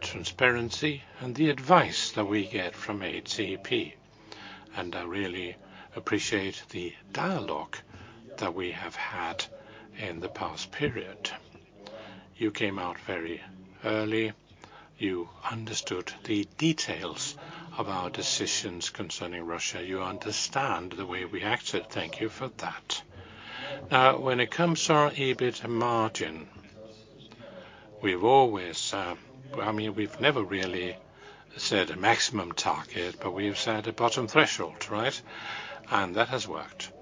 transparency and the advice that we get from HCP, and I really appreciate the dialogue that we have had in the past period. You came out very early. You understood the details of our decisions concerning Russia. You understand the way we acted. Thank you for that. When it comes to our EBIT margin, we've always. Well, I mean, we've never really set a maximum target, but we've set a bottom threshold, right? That has worked.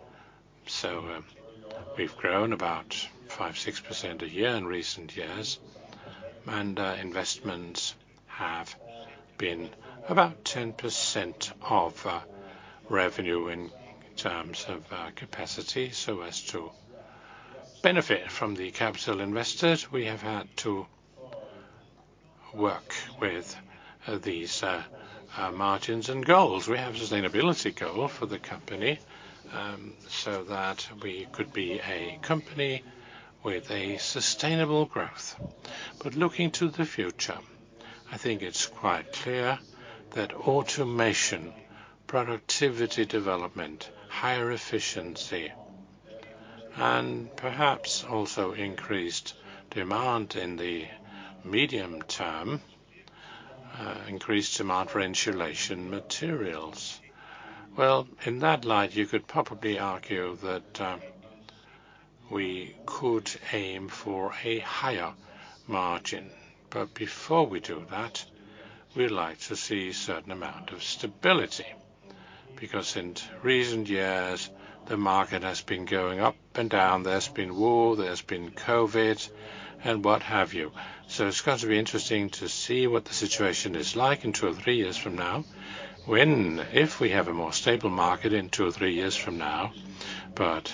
We've grown about 5%, 6% a year in recent years, and investments have been about 10% of revenue in terms of capacity. As to benefit from the capital invested, we have had to work with these margins and goals. We have a sustainability goal for the company, so that we could be a company with a sustainable growth. Looking to the future, I think it's quite clear that automation, productivity development, higher efficiency and perhaps also increased demand in the medium term, increased demand for insulation materials. Well, in that light, you could probably argue that we could aim for a higher margin. Before we do that, we'd like to see a certain amount of stability, because in recent years, the market has been going up and down. There's been war, there's been COVID, and what have you. It's got to be interesting to see what the situation is like in two or three years from now, when, if we have a more stable market in two or three years from now.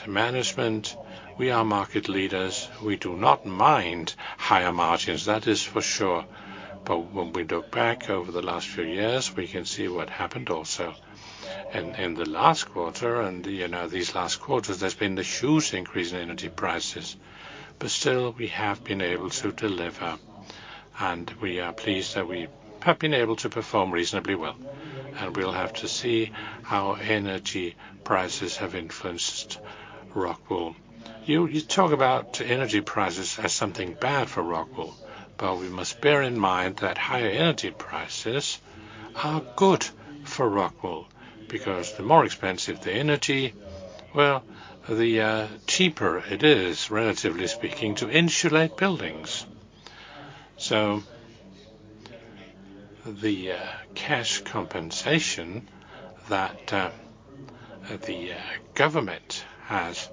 Management, we are market leaders. We do not mind higher margins, that is for sure. When we look back over the last few years, we can see what happened also in the last quarter and, you know, these last quarters, there's been a huge increase in energy prices. Still, we have been able to deliver, and we are pleased that we have been able to perform reasonably well. We'll have to see how energy prices have influenced ROCKWOOL. You talk about energy prices as something bad for ROCKWOOL, we must bear in mind that higher energy prices are good for ROCKWOOL, because the more expensive the energy, well, the cheaper it is, relatively speaking, to insulate buildings. The cash compensation that the government has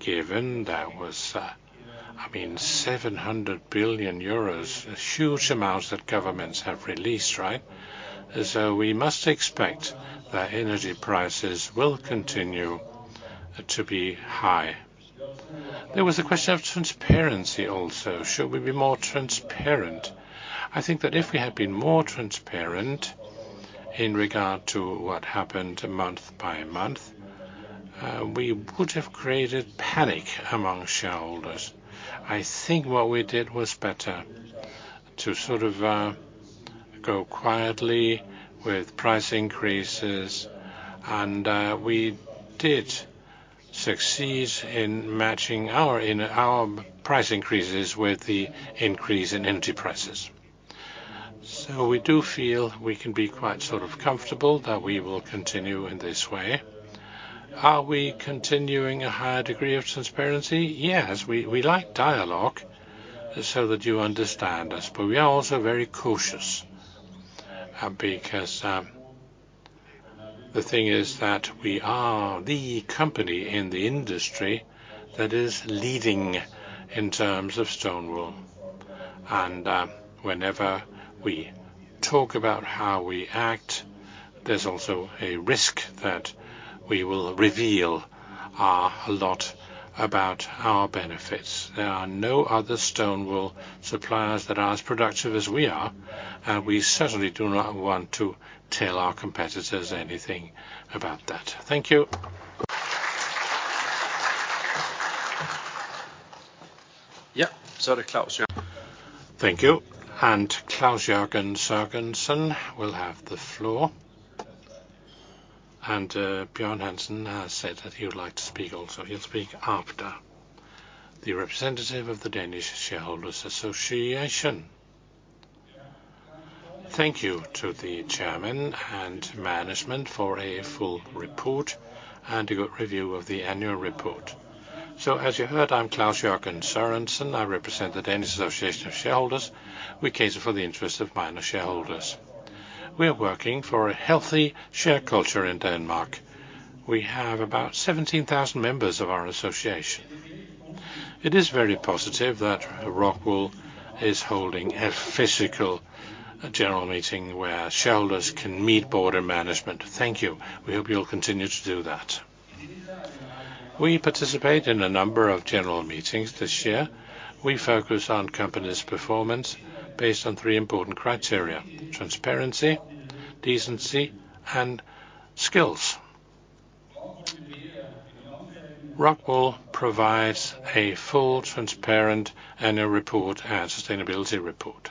given, that was, I mean, 700 billion euros, a huge amount that governments have released, right? We must expect that energy prices will continue to be high. There was a question of transparency also. Should we be more transparent? I think that if we had been more transparent in regard to what happened month by month, we would have created panic among shareholders. I think what we did was better. To sort of go quietly with price increases and we did succeed in matching our price increases with the increase in energy prices. We do feel we can be quite sort of comfortable that we will continue in this way. Are we continuing a higher degree of transparency? Yes. We, we like dialogue so that you understand us, but we are also very cautious, because the thing is that we are the company in the industry that is leading in terms of stone wool. Whenever we talk about how we act, there's also a risk that we will reveal a lot about our benefits. There are no other stone wool suppliers that are as productive as we are, and we certainly do not want to tell our competitors anything about that. Thank you. Yeah. Sorry, Klaus, yeah. Thank you. Klaus Jørgen Sørensen will have the floor. Bjørn Hansen has said that he would like to speak also. He'll speak after the representative of the Danish Shareholders Association. Thank you to the chairman and management for a full report and a good review of the annual report. As you heard, I'm Klaus Jørgen Sørensen. I represent the Danish Association of Shareholders. We cater for the interest of minor shareholders. We are working for a healthy share culture in Denmark. We have about 17,000 members of our association. It is very positive that ROCKWOOL is holding a physical general meeting where shareholders can meet board and management. Thank you. We hope you'll continue to do that. We participate in a number of general meetings this year. We focus on company's performance based on three important criteria: transparency, decency, and skills. ROCKWOOL provides a full, transparent annual report and sustainability report.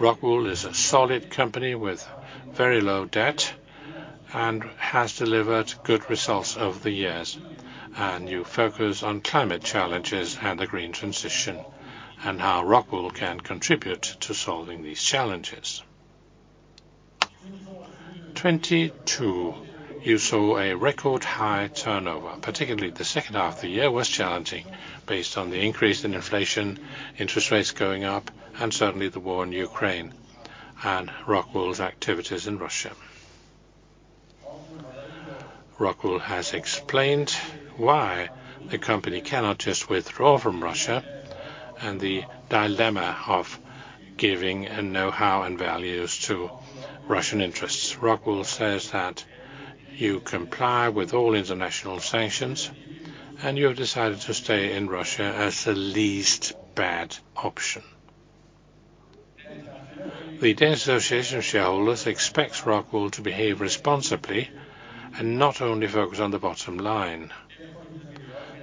ROCKWOOL is a solid company with very low debt and has delivered good results over the years. You focus on climate challenges and the green transition and how ROCKWOOL can contribute to solving these challenges. 2022, you saw a record high turnover, particularly the second half of the year was challenging based on the increase in inflation, interest rates going up, and certainly the war in Ukraine and ROCKWOOL's activities in Russia. ROCKWOOL has explained why the company cannot just withdraw from Russia and the dilemma of giving a know-how and values to Russian interests. ROCKWOOL says that you comply with all international sanctions, and you have decided to stay in Russia as the least bad option. The Danish Association of Shareholders expects ROCKWOOL to behave responsibly and not only focus on the bottom line.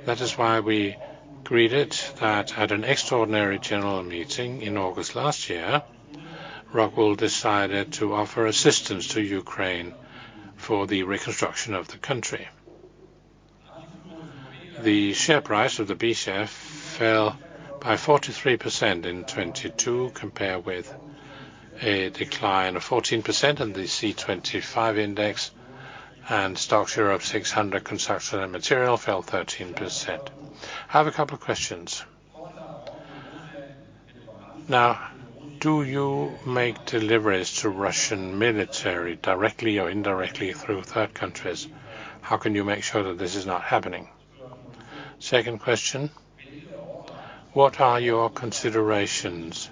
That is why we greeted that at an extraordinary general meeting in August last year, ROCKWOOL decided to offer assistance to Ukraine for the reconstruction of the country. The share price of the B-share fell by 43% in 2022, compared with a decline of 14% in the C25 index, and STOXX Europe 600 Construction & Materials fell 13%. I have a couple of questions. Now, do you make deliveries to Russian military directly or indirectly through third countries? How can you make sure that this is not happening? Second question, what are your considerations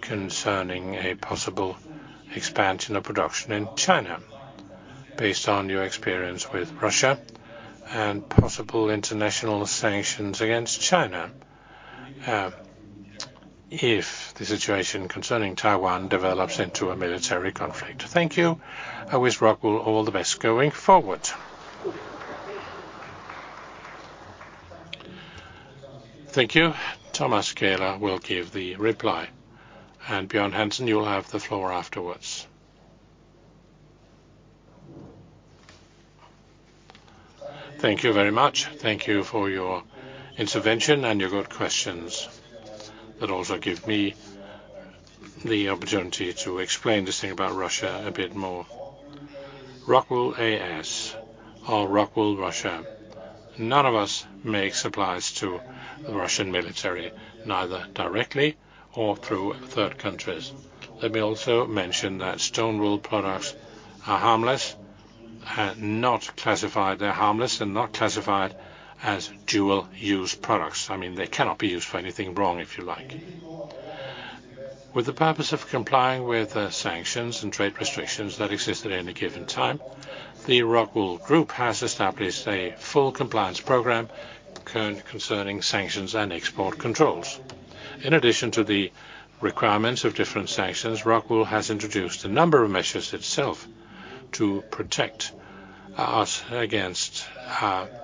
concerning a possible expansion of production in China based on your experience with Russia and possible international sanctions against China, if the situation concerning Taiwan develops into a military conflict? Thank you. I wish ROCKWOOL all the best going forward. Thankyou. Thomas Kähler will give the reply. Bjørn Hansen, you'll have the floor afterwards. Thank you very much. Thank you for your intervention and your good questions that also give me the opportunity to explain this thing about Russia a bit more. ROCKWOOL A/S or ROCKWOOL Russia, none of us make supplies to the Russian military, neither directly or through third countries. Let me also mention that stone wool products are harmless and not classified. They're harmless and not classified as dual-use products. I mean, they cannot be used for anything wrong, if you like. With the purpose of complying with the sanctions and trade restrictions that exist at any given time, the ROCKWOOL Group has established a full compliance program concerning sanctions and export controls. In addition to the requirements of different sanctions, ROCKWOOL has introduced a number of measures itself to protect us against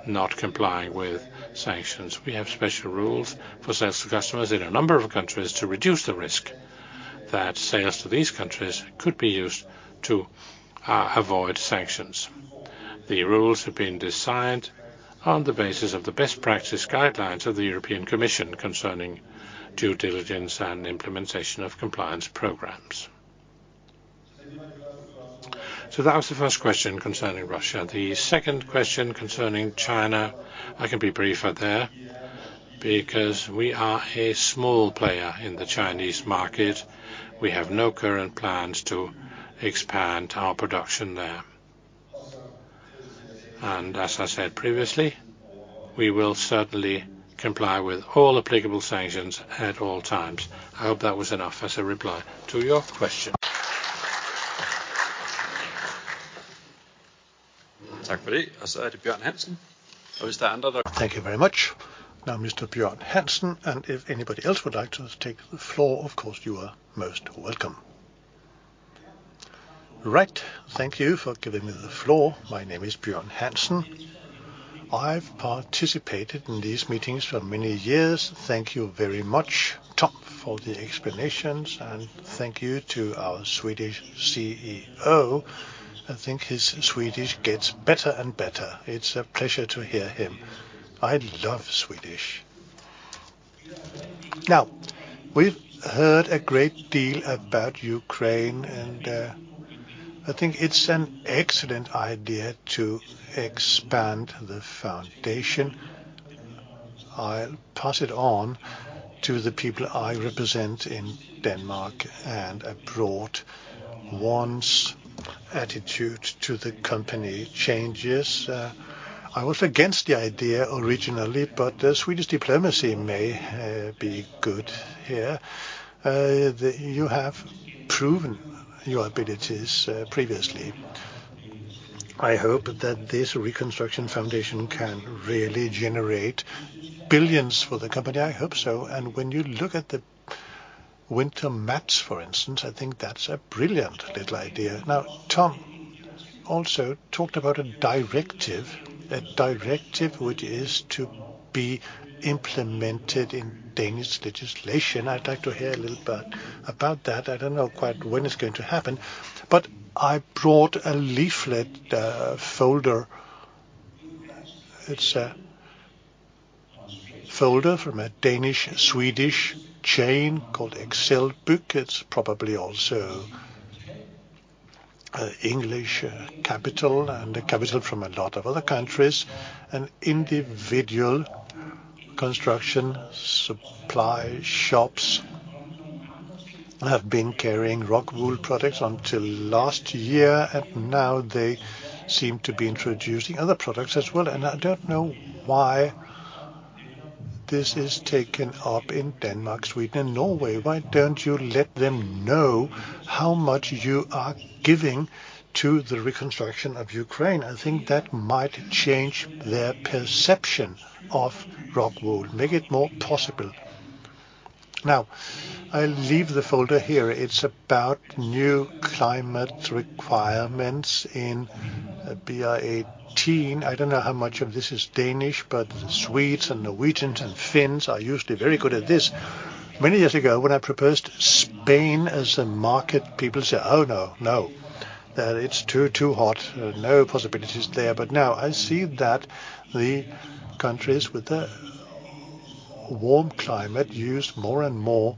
not complying with sanctions. We have special rules for sales to customers in a number of countries to reduce the risk that sales to these countries could be used to avoid sanctions. The rules have been designed on the basis of the best practice guidelines of the European Commission concerning due diligence and implementation of compliance programs. That was the first question concerning Russia. The second question concerning China, I can be briefer there because we are a small player in the Chinese market. We have no current plans to expand our production there. As I said previously, we will certainly comply with all applicable sanctions at all times. I hope that was enough as a reply to your question. Thank you very much. Now Mr. Bjørn Hansen, and if anybody else would like to take the floor, of course you are most welcome. Right. Thank you for giving me the floor. My name is Bjørn Hansen. I've participated in these meetings for many years. Thank you very much, Tom, for the explanations, and thank you to our Swedish CEO. I think his Swedish gets better and better. It's a pleasure to hear him. I love Swedish. We've heard a great deal about Ukraine, and I think it's an excellent idea to expand the foundation. I'll pass it on to the people I represent in Denmark and abroad. Once attitude to the company changes, I was against the idea originally, but the Swedish diplomacy may be good here. You have proven your abilities previously. I hope that this reconstruction foundation can really generate billions for the company. I hope so. When you look at the winter mats, for instance, I think that's a brilliant little idea. Tom also talked about a directive, a directive which is to be implemented in Danish legislation. I'd like to hear a little bit about that. I don't know quite when it's going to happen. I brought a leaflet, folder. It's a folder from a Danish-Swedish chain called [Excel Buch]. It's probably also, English, capital, and a capital from a lot of other countries. Individual construction supply shops have been carrying ROCKWOOL products until last year, and now they seem to be introducing other products as well. I don't know why this is taken up in Denmark, Sweden, and Norway. Why don't you let them know how much you are giving to the reconstruction of Ukraine? I think that might change their perception of ROCKWOOL, make it more possible. I'll leave the folder here. It's about new climate requirements in BR18. I don't know how much of this is Danish, but Swedes and Norwegians and Finns are usually very good at this. Many years ago, when I proposed Spain as a market, people said, "Oh, no. It's too hot. No possibilities there." Now I see that the countries with the warm climate use more and more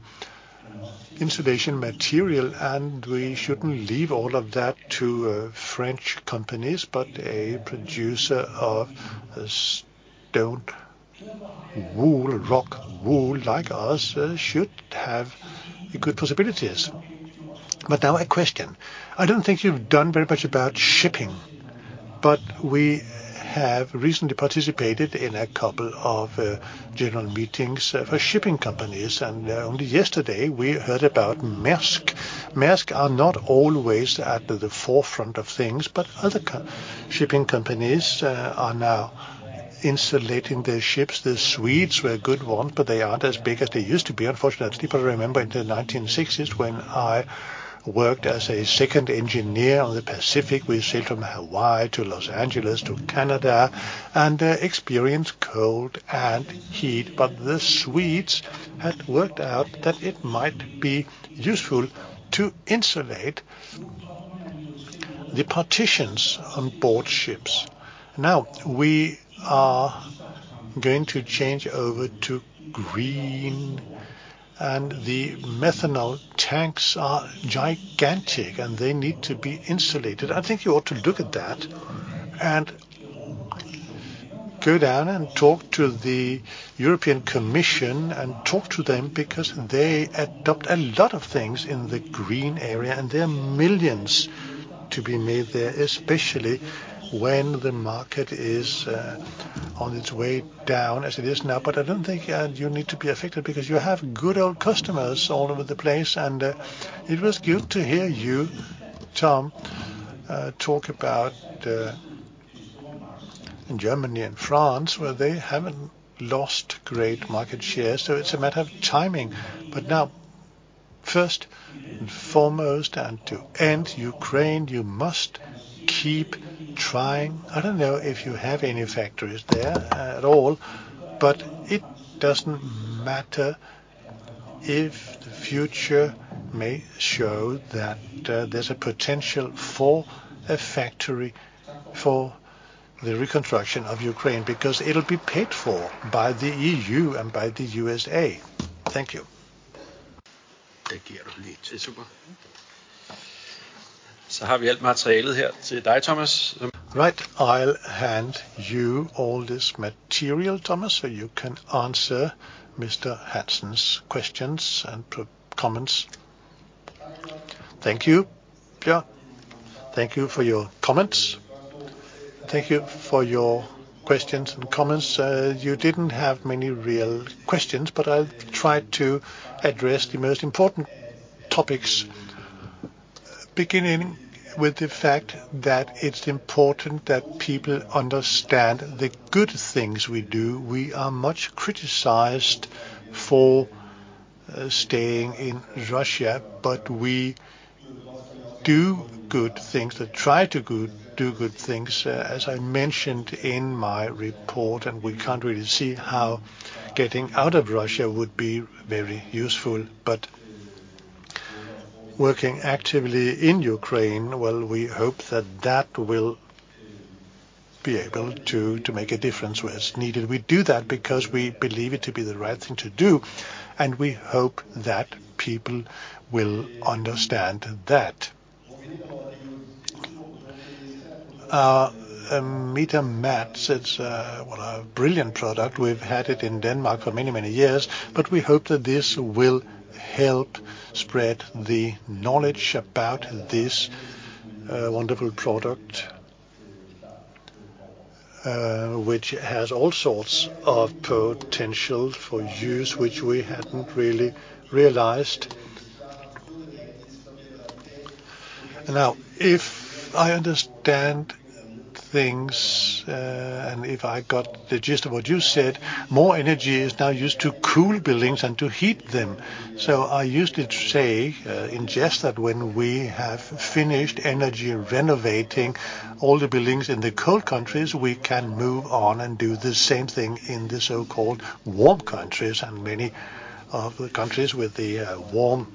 insulation material, and we shouldn't leave all of that to French companies, but a producer of stone wool, ROCKWOOL like us, should have good possibilities. Now a question. I don't think you've done very much about shipping, but we have recently participated in a couple of general meetings for shipping companies. Only yesterday we heard about Maersk. Maersk are not always at the forefront of things, but other shipping companies are now insulating their ships. The Swedes were a good one, but they aren't as big as they used to be, unfortunately. I remember in the 1960s when I worked as a second engineer on the Pacific, we sailed from Hawaii to Los Angeles to Canada, and experienced cold and heat. The Swedes had worked out that it might be useful to insulate the partitions on board ships. Now, we are going to change over to green, and the methanol tanks are gigantic, and they need to be insulated. I think you ought to look at that and go down and talk to the European Commission and talk to them because they adopt a lot of things in the green area, and there are millions to be made there, especially when the market is on its way down as it is now. I don't think you need to be affected because you have good old customers all over the place. It was good to hear you, Tom, talk about in Germany and France where they haven't lost great market share. It's a matter of timing. First and foremost, to end Ukraine, you must keep trying. I don't know if you have any factories there at all, but it doesn't matter if the future may show that there's a potential for a factory for the reconstruction of Ukraine, because it'll be paid for by the EU and by the USA. Thank you. Right. I'll hand you all this material, Thomas, so you can answer Mr. Hansen's questions and comments. Thank you, Pia. Thank you for your comments. Thank you for your questions and comments. You didn't have many real questions, but I'll try to address the most important topics, beginning with the fact that it's important that people understand the good things we do. We are much criticized for staying in Russia, but we do good things or try to do good things, as I mentioned in my report, and we can't really see how getting out of Russia would be very useful. Working actively in Ukraine, well, we hope that that will be able to make a difference where it's needed. We do that because we believe it to be the right thing to do, and we hope that people will understand that. MetaMat, it's, well, a brilliant product. We've had it in Denmark for many, many years, but we hope that this will help spread the knowledge about this wonderful product, which has all sorts of potential for use, which we hadn't really realized. If I understand things, and if I got the gist of what you said, more energy is now used to cool buildings than to heat them. I used to say, in jest, that when we have finished energy renovating all the buildings in the cold countries, we can move on and do the same thing in the so-called warm countries. Many of the countries with the warm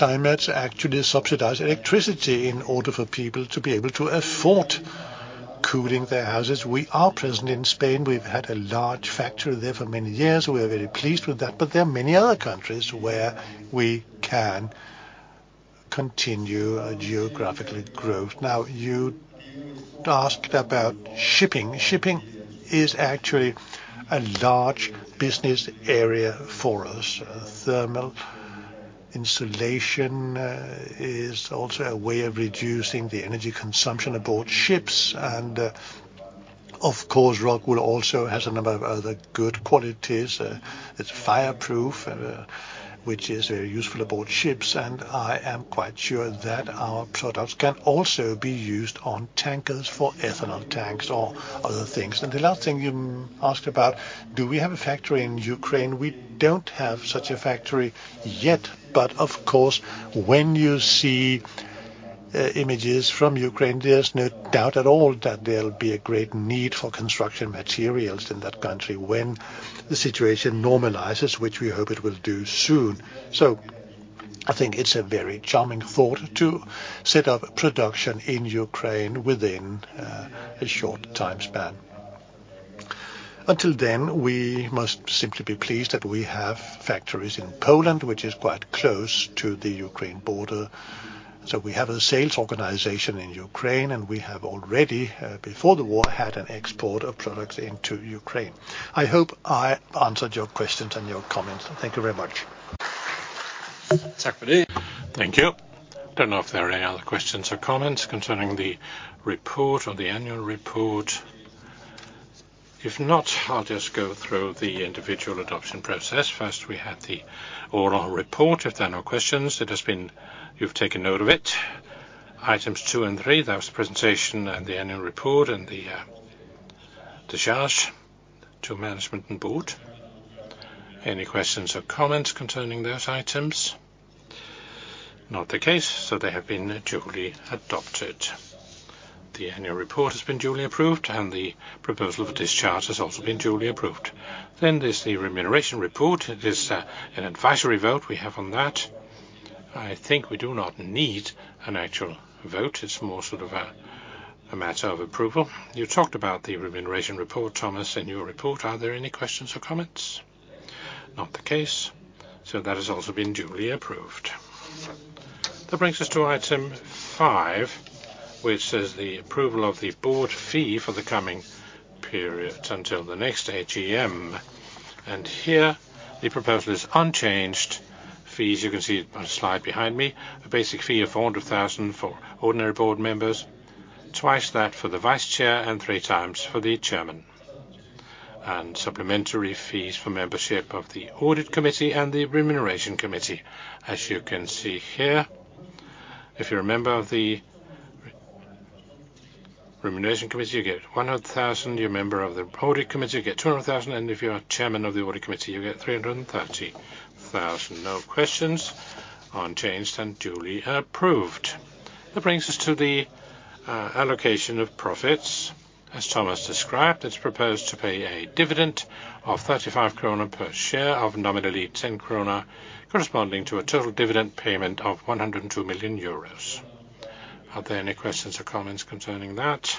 climates actually subsidize electricity in order for people to be able to afford cooling their houses. We are present in Spain. We've had a large factory there for many years. We are very pleased with that, but there are many other countries where we can continue a geographical growth. Now, you asked about shipping. Shipping is actually a large business area for us. Thermal insulation is also a way of reducing the energy consumption aboard ships and, of course, rock wool also has a number of other good qualities. It's fireproof, which is useful aboard ships, and I am quite sure that our products can also be used on tankers for ethanol tanks or other things. The last thing you asked about, do we have a factory in Ukraine? We don't have such a factory yet. Of course, when you see images from Ukraine, there's no doubt at all that there'll be a great need for construction materials in that country when the situation normalizes, which we hope it will do soon. I think it's a very charming thought to set up production in Ukraine within a short time span. Until then, we must simply be pleased that we have factories in Poland, which is quite close to the Ukraine border. We have a sales organization in Ukraine, and we have already before the war, had an export of products into Ukraine. I hope I answered your questions and your comments. Thank you very much. Thank you. Don't know if there are any other questions or comments concerning the report or the annual report. If not, I'll just go through the individual adoption process. First, we had the oral report. If there are no questions, it has been. You've taken note of it. Items two and three, that was the presentation and the annual report and the discharge to management and board. Any questions or comments concerning those items? Not the case. They have been duly adopted. The annual report has been duly approved and the proposal for discharge has also been duly approved. Then there's the remuneration report. It is an advisory vote we have on that. I think we do not need an actual vote. It's more sort of a matter of approval. You talked about the remuneration report, Thomas, in your report. Are there any questions or comments? Not the case, that has also been duly approved. That brings us to item five, which is the approval of the board fee for the coming period until the next AGM. Here the proposal is unchanged. Fees, you can see on the slide behind me, a basic fee of 400,000 for ordinary board members, twice that for the Vice Chair, and 3x for the Chairman. Supplementary fees for membership of the Audit Committee and the Remuneration Committee. As you can see here, if you're a member of the Remuneration Committee, you get 100,000. You're a member of the Audit Committee, you get 200,000. If you're Chairman of the Audit Committee, you get 330,000. No questions. Unchanged and duly approved. That brings us to the allocation of profits. As Thomas described, it's proposed to pay a dividend of 35 krone per share of nominally 10 krone, corresponding to a total dividend payment of 102 million euros. Are there any questions or comments concerning that?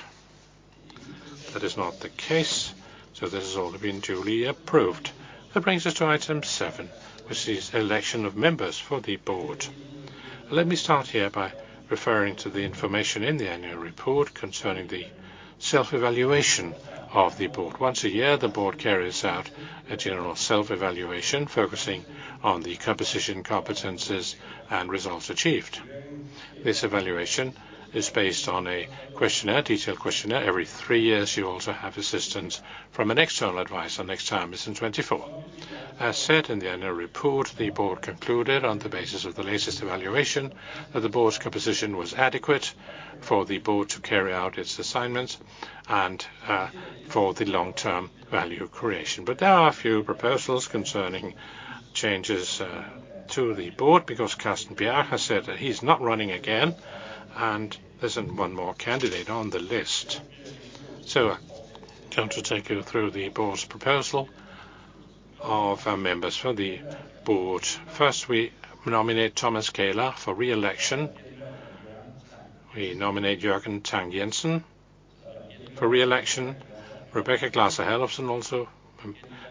That is not the case. This has all been duly approved. That brings us to item seven, which is election of members for the board. Let me start here by referring to the information in the annual report concerning the self-evaluation of the board. Once a year, the board carries out a general self-evaluation, focusing on the composition, competencies, and results achieved. This evaluation is based on a questionnaire, detailed questionnaire. Every three years, you also have assistance from an external advisor. Next time is in 2024. As said in the annual report, the board concluded on the basis of the latest evaluation that the board's composition was adequate for the board to carry out its assignments and for the long-term value creation. But there are a few proposals concerning changes to the board because Carsten Bjerg has said that he's not running again, and there's one more candidate on the list. I'll just take you through the board's proposal of our members for the board. First, we nominate Thomas Kähler for re-election. We nominate Jørgen Tang-Jensen for re-election. Rebekka Glasser Herlofsen also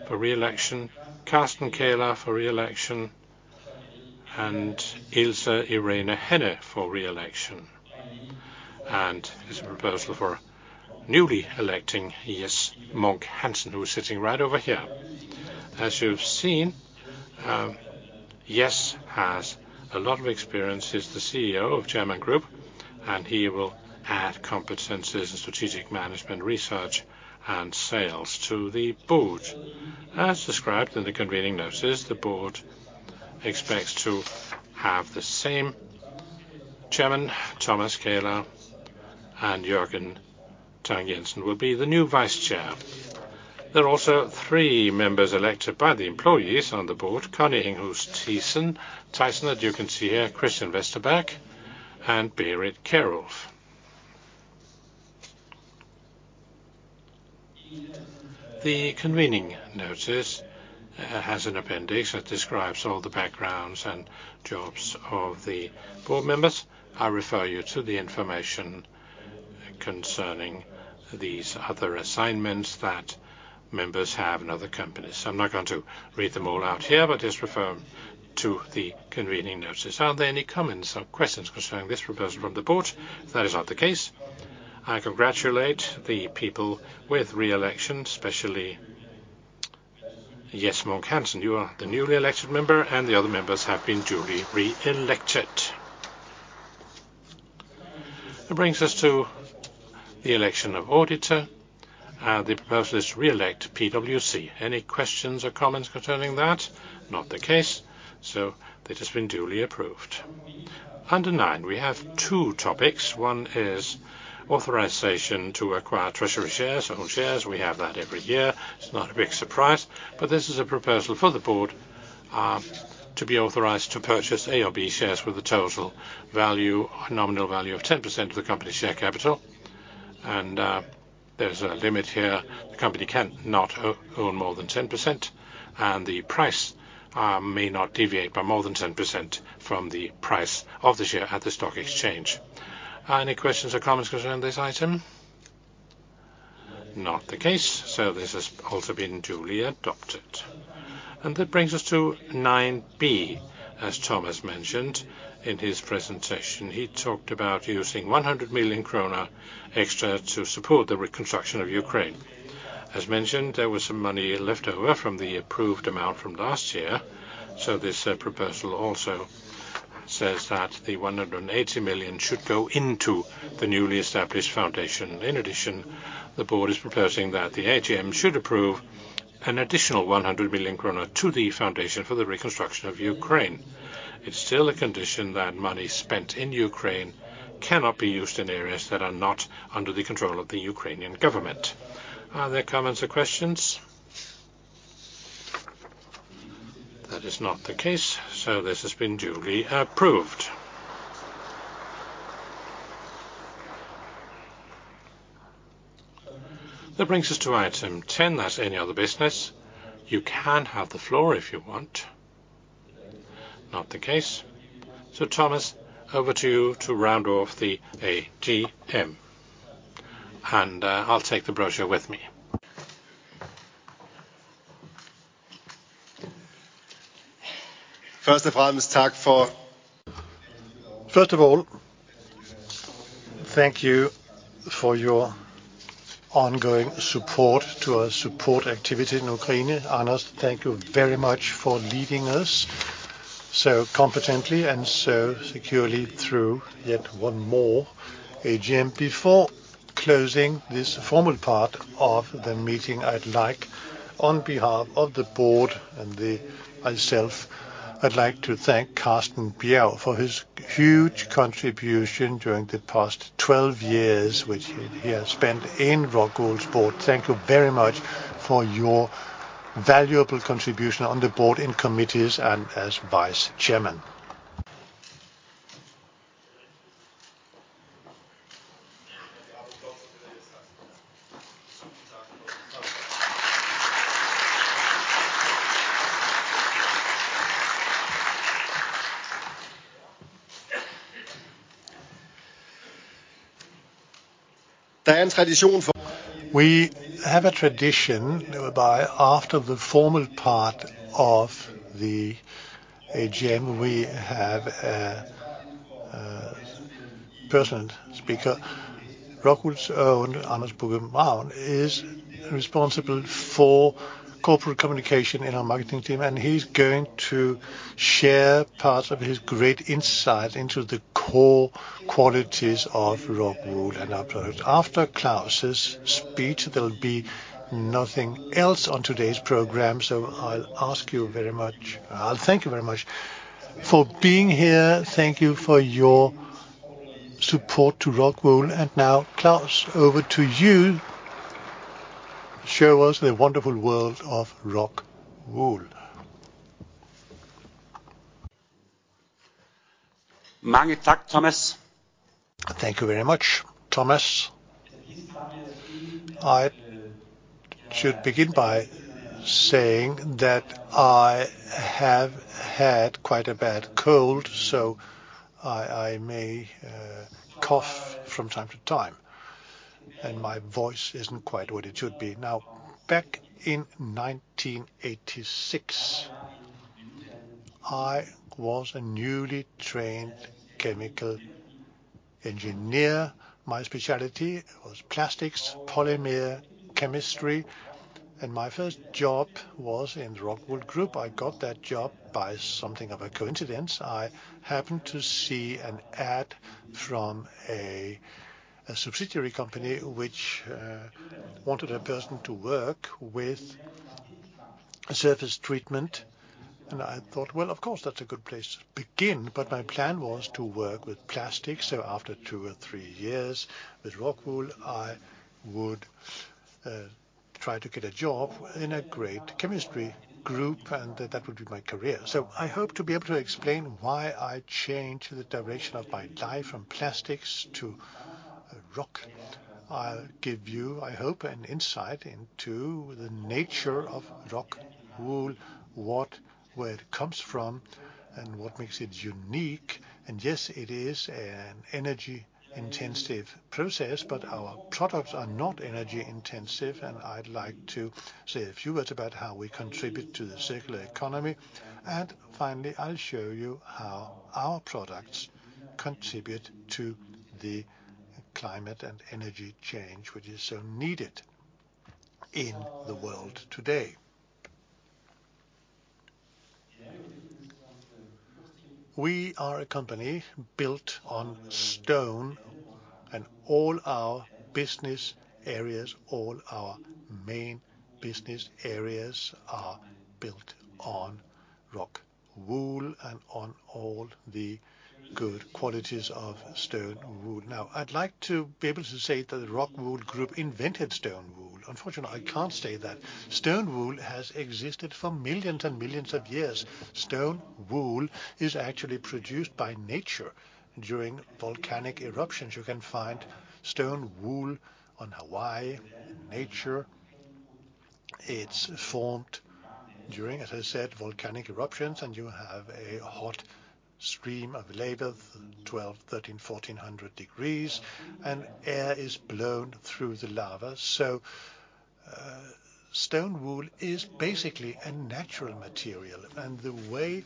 for re-election. Carsten Kähler for re-election, and Ilse Irene Henne for re-election. There's a proposal for newly electing Jes Munk Hansen, who is sitting right over here. As you've seen, Jes has a lot of experience. He's the CEO of German Group. He will add competencies in strategic management, research, and sales to the board. As described in the convening notices, the board expects to have the same Chairman, Thomas Kähler, and Jørgen Tang-Jensen will be the new Vice Chair. There are also three members elected by the employees on the board, Connie Enghus Theisen, as you can see here, Christian Westerberg, and Berit Kjerulf. The convening notice has an appendix that describes all the backgrounds and jobs of the board members. I refer you to the information concerning these other assignments that members have in other companies. I'm not going to read them all out here, but just refer to the convening notices. Are there any comments or questions concerning this proposal from the board? That is not the case. I congratulate the people with re-election, especially Jes Munk Hansen. You are the newly elected member, and the other members have been duly re-elected. That brings us to the election of auditor. The proposal is to re-elect PwC. Any questions or comments concerning that? Not the case, so that has been duly approved. Under 9, we have two topics. One is authorization to acquire treasury shares or own shares. We have that every year. It's not a big surprise. This is a proposal for the board to be authorized to purchase A or B shares with a total value or nominal value of 10% of the company's share capital. There's a limit here. The company can not own more than 10%, and the price may not deviate by more than 10% from the price of the share at the stock exchange. Are any questions or comments concerning this item? Not the case, so this has also been duly adopted. That brings us to 9B. As Thomas mentioned in his presentation, he talked about using 100 million kroner extra to support the reconstruction of Ukraine. As mentioned, there was some money left over from the approved amount from last year, so this proposal also says that the 180 million should go into the newly established foundation. In addition, the board is proposing that the AGM should approve an additional 100 million kroner to the foundation for the reconstruction of Ukraine. It's still a condition that money spent in Ukraine cannot be used in areas that are not under the control of the Ukrainian government. Are there comments or questions? That is not the case, so this has been duly approved. That brings us to item 10. That's any other business. You can have the floor if you want. Not the case. Thomas, over to you to round off the AGM. I'll take the brochure with me. First of all, thank you for your ongoing support to our support activity in Ukraine. Anders, thank you very much for leading us so competently and so securely through yet one more AGM. Before closing this formal part of the meeting, on behalf of the board and myself I'd like to thank Carsten Bjerg for his huge contribution during the past 12 years, which he has spent in ROCKWOOL's board. Thank you very much for your valuable contribution on the board, in committees, and as vice chairman. We have a tradition whereby after the formal part of the AGM, we have a personal speaker. ROCKWOOL's own Anders Bugge Maun is responsible for corporate communication in our marketing team, and he's going to share part of his great insight into the core qualities of ROCKWOOL and our product. After Claus' speech, there'll be nothing else on today's program, I'll thank you very much for being here. Thank you for your support to ROCKWOOL. Now, Claus, over to you. Show us the wonderful world of ROCKWOOL. Thank you very much, Thomas. I should begin by saying that I have had quite a bad cold, so I may cough from time to time, and my voice isn't quite what it should be. Back in 1986, I was a newly trained chemical engineer. My specialty was plastics, polymer chemistry, and my first job was in ROCKWOOL Group. I got that job by something of a coincidence. I happened to see an ad from a subsidiary company which wanted a person to work with surface treatment. I thought, "Well, of course, that's a good place to begin," but my plan was to work with plastics, so after two or three years with ROCKWOOL, I would try to get a job in a great chemistry group, and that would be my career. I hope to be able to explain why I changed the direction of my life from plastics to rock. I'll give you, I hope, an insight into the nature of ROCKWOOL, what where it comes from and what makes it unique. Yes, it is an energy-intensive process, but our products are not energy intensive, and I'd like to say a few words about how we contribute to the circular economy. Finally, I'll show you how our products contribute to the climate and energy change, which is so needed in the world today. We are a company built on stone, and all our business areas, all our main business areas are built on ROCKWOOL and on all the good qualities of stone wool. Now, I'd like to be able to say that the ROCKWOOL Group invented stone wool. Unfortunately, I can't say that. Stone wool has existed for millions and millions of years. Stone wool is actually produced by nature during volcanic eruptions. You can find stone wool on Hawaii in nature. It's formed during, as I said, volcanic eruptions, and you have a hot stream of lava, 12, 13, 14 hundred degrees, and air is blown through the lava. Stone wool is basically a natural material. The way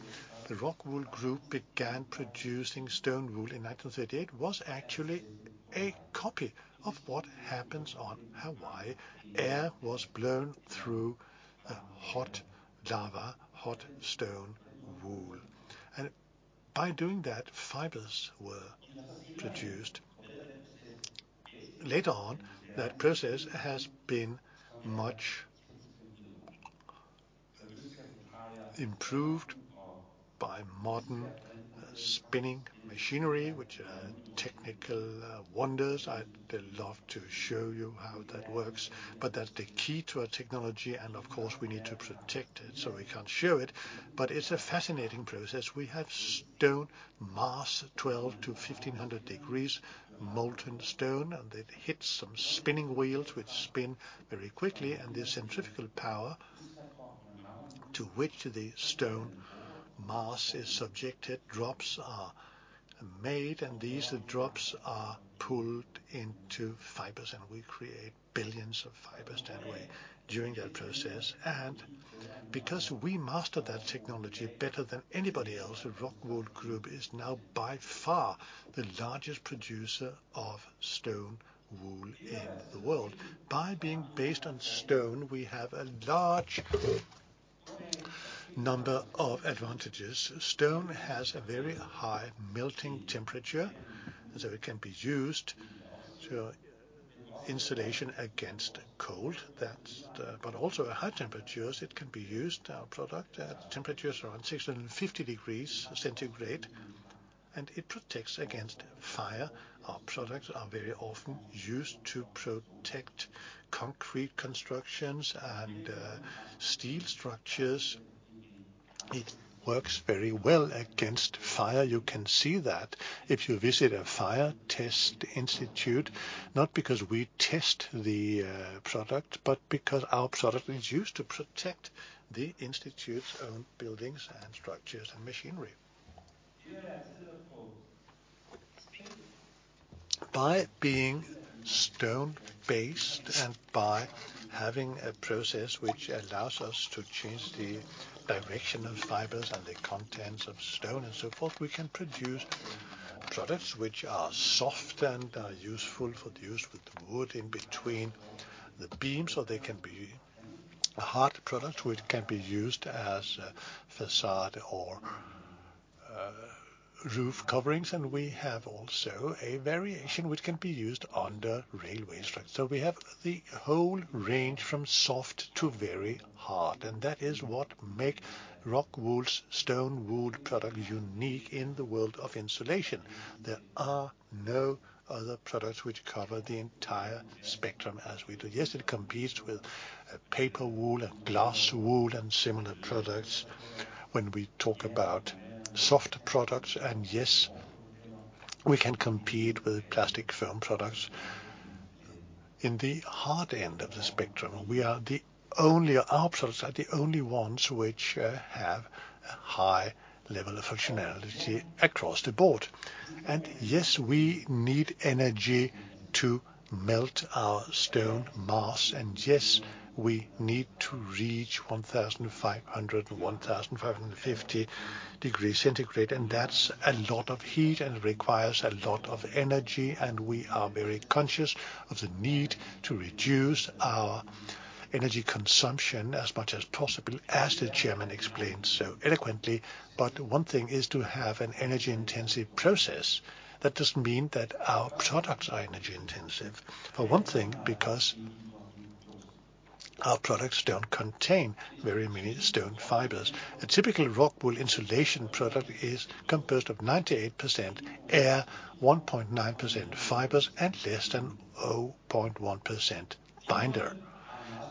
the ROCKWOOL Group began producing stone wool in 1938 was actually a copy of what happens on Hawaii. Air was blown through a hot lava, hot stone wool, and by doing that, fibers were produced. Later on, that process has been much improved by modern spinning machinery, which are technical wonders. I'd love to show you how that works, but that's the key to our technology, and of course, we need to protect it, so we can't show it. It's a fascinating process. We have stone mass, 1,200-1,500 degrees, molten stone, and it hits some spinning wheels which spin very quickly and the centrifugal power to which the stone mass is subjected, drops are made, and these drops are pulled into fibers, and we create billions of fibers that way during that process. Because we mastered that technology better than anybody else, ROCKWOOL Group is now by far the largest producer of stone wool in the world. By being based on stone, we have a large number of advantages. Stone has a very high melting temperature, so it can be used. Insulation against cold, that's the. Also at high temperatures, it can be used, our product, at temperatures around 650 degrees centigrade, and it protects against fire. Our products are very often used to protect concrete constructions and steel structures. It works very well against fire. You can see that if you visit a fire test institute, not because we test the product, but because our product is used to protect the institute's own buildings and structures and machinery. By being stone-based and by having a process which allows us to change the direction of fibers and the contents of stone and so forth, we can produce products which are soft and are useful for use with wood in between the beams, or they can be a hard product which can be used as a façade or roof coverings, and we have also a variation which can be used under railway tracks. We have the whole range from soft to very hard, and that is what make ROCKWOOL's stone wool product unique in the world of insulation. There are no other products which cover the entire spectrum as we do. It competes with paper wool and glass wool and similar products when we talk about soft products. Yes, we can compete with plastic foam products. In the hard end of the spectrum, Our products are the only ones which have a high level of functionality across the board. Yes, we need energy to melt our stone mass, and yes, we need to reach 1,500-1,550 degrees centigrade, and that's a lot of heat and requires a lot of energy, and we are very conscious of the need to reduce our energy consumption as much as possible, as the Chairman explained so eloquently. One thing is to have an energy-intensive process. That doesn't mean that our products are energy-intensive. For one thing, because our products don't contain very many stone fibers. A typical ROCKWOOL insulation product is composed of 98% air, 1.9% fibers, and less than 0.1% binder.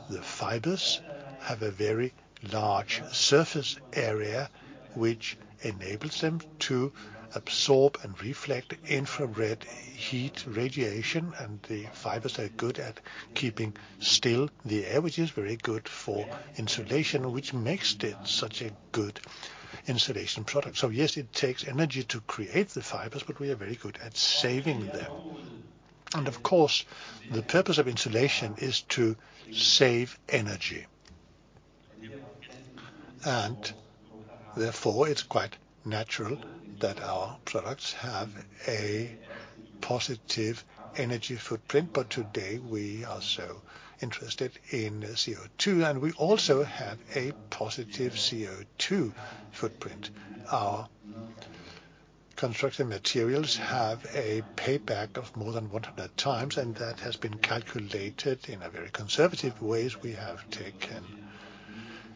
The fibers have a very large surface area, which enables them to absorb and reflect infrared heat radiation, and the fibers are good at keeping still the air, which is very good for insulation, which makes it such a good insulation product. Yes, it takes energy to create the fibers, but we are very good at saving them. Of course, the purpose of insulation is to save energy. Therefore, it's quite natural that our products have a positive energy footprint. Today, we are so interested in CO₂, and we also have a positive CO₂ footprint. Our constructed materials have a payback of more than 100x, and that has been calculated in a very conservative ways. We have taken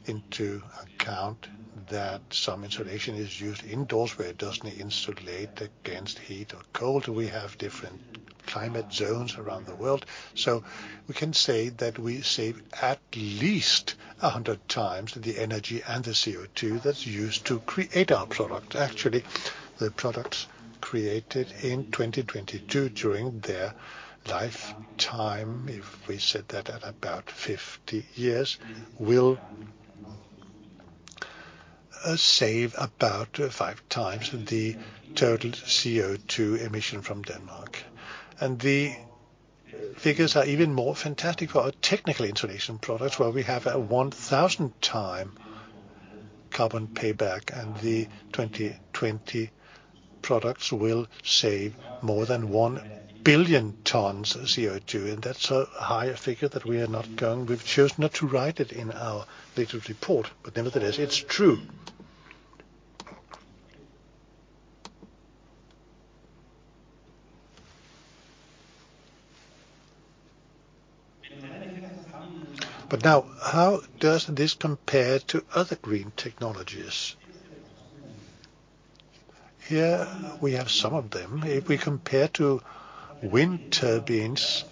into account that some insulation is used indoors where it doesn't insulate against heat or cold. We have different climate zones around the world. We can say that we save at least 100x the energy and the CO₂ that's used to create our product. Actually, the products created in 2022, during their lifetime, if we said that at about 50 years, will save about 5x the total CO₂ emission from Denmark. The figures are even more fantastic for our technical insulation products, where we have a 1,000x carbon payback, and the 2020 products will save more than 1 billion tons of CO₂, and that's a high figure. We've chosen not to write it in our latest report, nevertheless, it's true. Now, how does this compare to other green technologies? Here, we have some of them. If we compare to wind turbines,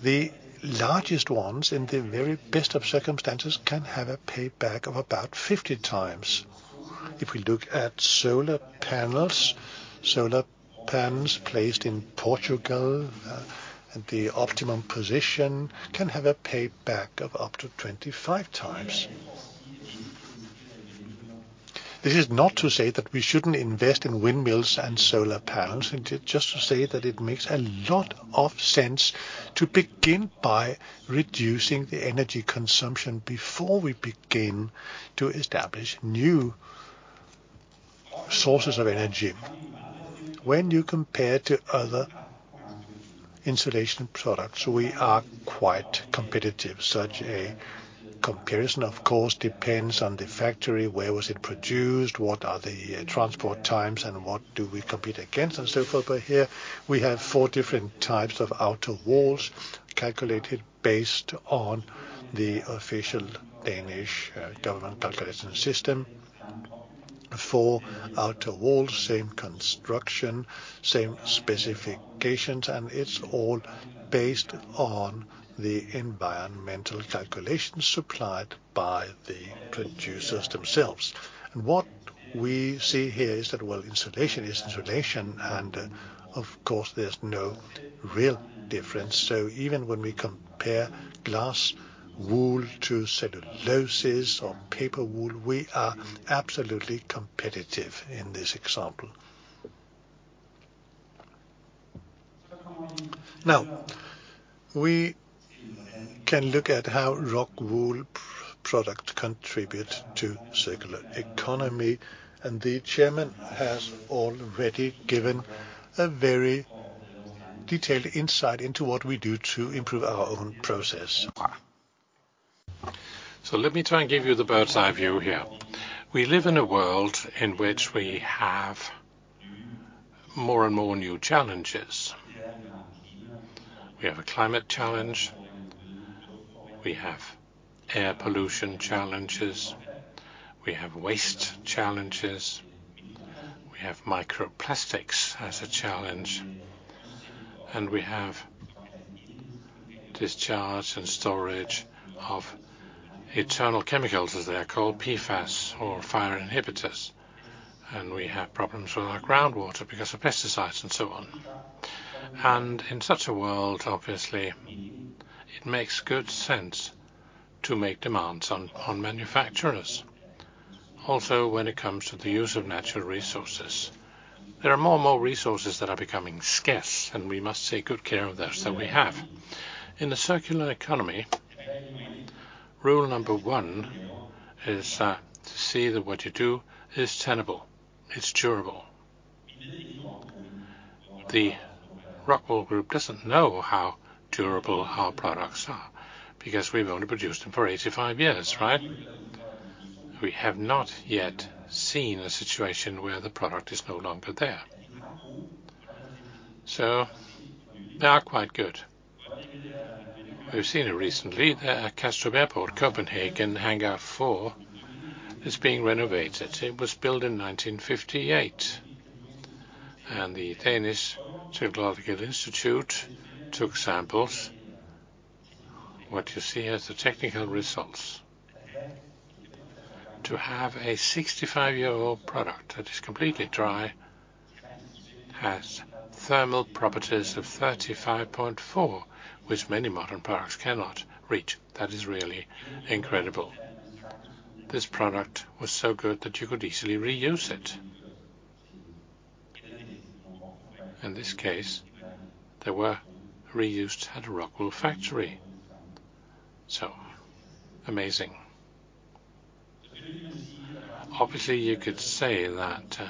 the largest ones, in the very best of circumstances, can have a payback of about 50x. If we look at solar panels, solar panels placed in Portugal at the optimum position can have a payback of up to 25x This is not to say that we shouldn't invest in windmills and solar panels. It's just to say that it makes a lot of sense to begin by reducing the energy consumption before we begin to establish new sources of energy. When you compare to other insulation products, we are quite competitive. Such a comparison, of course, depends on the factory, where was it produced, what are the transport times, and what do we compete against, and so forth. Here we have four different types of outer walls calculated based on the official Danish government calculation system. Four outer walls, same construction, same specifications, it's all based on the environmental calculations supplied by the producers themselves. What we see here is that, well, insulation is insulation and, of course, there's no real difference. Even when we compare glass wool to celluloses or paper wool, we are absolutely competitive in this example. Now, we can look at how ROCKWOOL product contribute to circular economy, and the chairman has already given a very detailed insight into what we do to improve our own process. Let me try and give you the bird's-eye view here. We live in a world in which we have more and more new challenges. We have a climate challenge, we have air pollution challenges, we have waste challenges, we have microplastics as a challenge, and we have discharge and storage of eternal chemicals, as they are called, PFAS or fire inhibitors. We have problems with our groundwater because of pesticides and so on. In such a world, obviously, it makes good sense to make demands on manufacturers. Also, when it comes to the use of natural resources, there are more and more resources that are becoming scarce, and we must take good care of those that we have. In the circular economy, rule number one is to see that what you do is tenable, it's durable. The ROCKWOOL Group doesn't know how durable our products are because we've only produced them for 85 years, right? We have not yet seen a situation where the product is no longer there. They are quite good. We've seen it recently that at Kastrup Airport, Copenhagen, Hangar 4 is being renovated. It was built in 1958 and the Danish Technological Institute took samples. What you see is the technical results. To have a 65-year-old product that is completely dry, has thermal properties of 35.4, which many modern products cannot reach. That is really incredible. This product was so good that you could easily reuse it. In this case, they were reused at a ROCKWOOL factory. Amazing. Obviously, you could say that,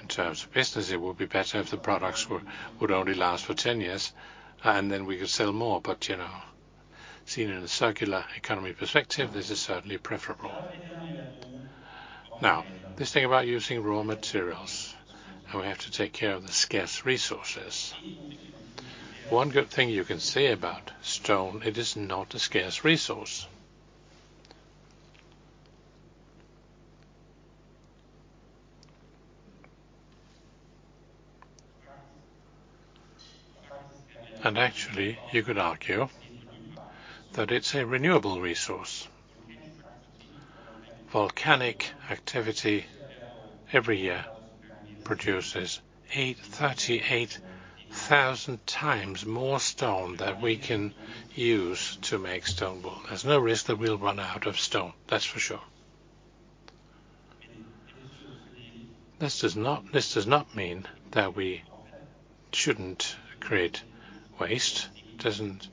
in terms of business, it would be better if the products would only last for 10 years, and then we could sell more. You know, seen in a circular economy perspective, this is certainly preferable. This thing about using raw materials, and we have to take care of the scarce resources. One good thing you can say about stone, it is not a scarce resource. Actually, you could argue that it's a renewable resource. Volcanic activity every year produces 38,000x more stone than we can use to make stone wool. There's no risk that we'll run out of stone, that's for sure. This does not mean that we shouldn't create waste. It doesn't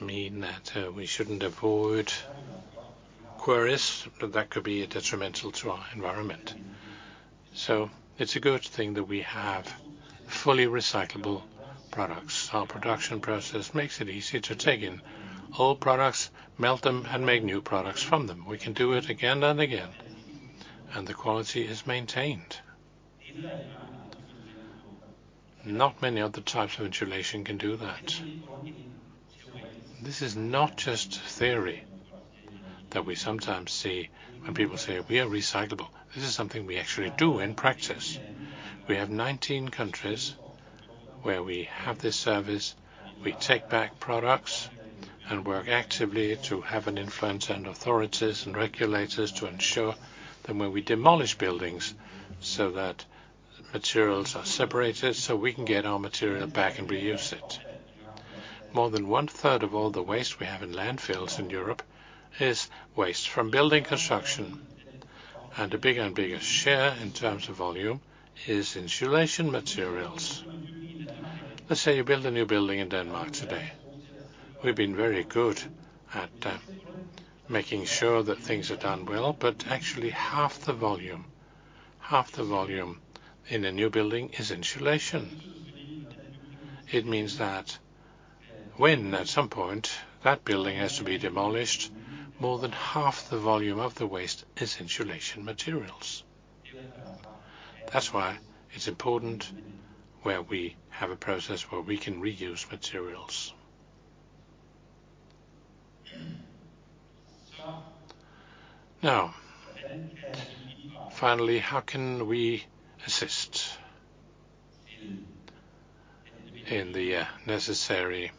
mean that, we shouldn't avoid quarries that could be detrimental to our environment. It's a good thing that we have fully recyclable products. Our production process makes it easier to take in old products, melt them, and make new products from them. We can do it again and again, and the quality is maintained. Not many other types of insulation can do that. This is not just theory that we sometimes see when people say, "We are recyclable." This is something we actually do in practice. We have 19 countries where we have this service. We take back products and work actively to have an influence on authorities and regulators to ensure that when we demolish buildings, so that materials are separated so we can get our material back and reuse it. More than one-third of all the waste we have in landfills in Europe is waste from building construction. A bigger and bigger share in terms of volume is insulation materials. Let's say you build a new building in Denmark today. We've been very good at making sure that things are done well, but actually half the volume in a new building is insulation. It means that when at some point that building has to be demolished, more than half the volume of the waste is insulation materials. That's why it's important where we have a process where we can reuse materials. Finally, how can we assist in the necessary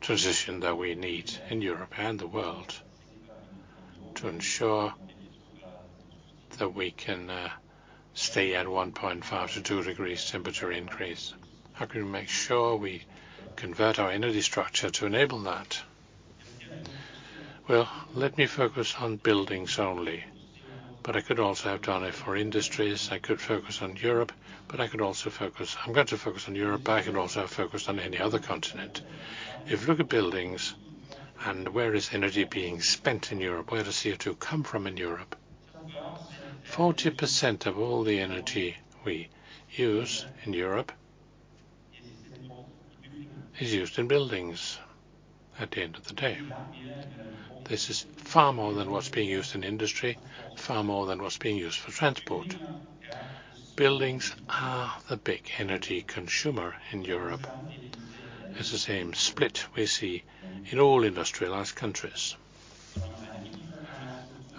transition that we need in Europe and the world to ensure that we can stay at 1.5-2 degrees temperature increase? How can we make sure we convert our energy structure to enable that? Well, let me focus on buildings only, but I could also have done it for industries. I could focus on Europe, but I'm going to focus on Europe, but I can also focus on any other continent. If you look at buildings and where is energy being spent in Europe, where does CO₂ come from in Europe, 40% of all the energy we use in Europe is used in buildings at the end of the day. This is far more than what's being used in industry, far more than what's being used for transport. Buildings are the big energy consumer in Europe. It's the same split we see in all industrialized countries.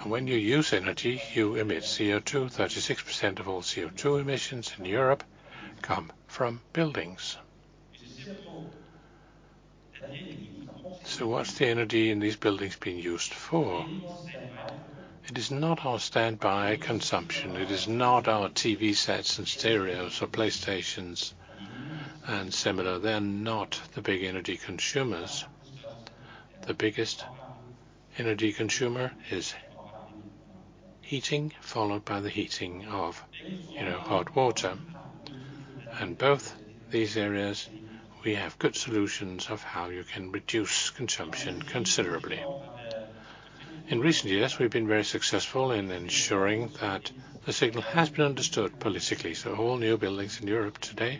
When you use energy, you emit CO₂. 36% of all CO₂ emissions in Europe come from buildings. What's the energy in these buildings being used for? It is not our standby consumption. It is not our TV sets and stereos or PlayStations and similar. They're not the big energy consumers. The biggest energy consumer is heating, followed by the heating of, you know, hot water. Both these areas, we have good solutions of how you can reduce consumption considerably. In recent years, we've been very successful in ensuring that the signal has been understood politically, so all new buildings in Europe today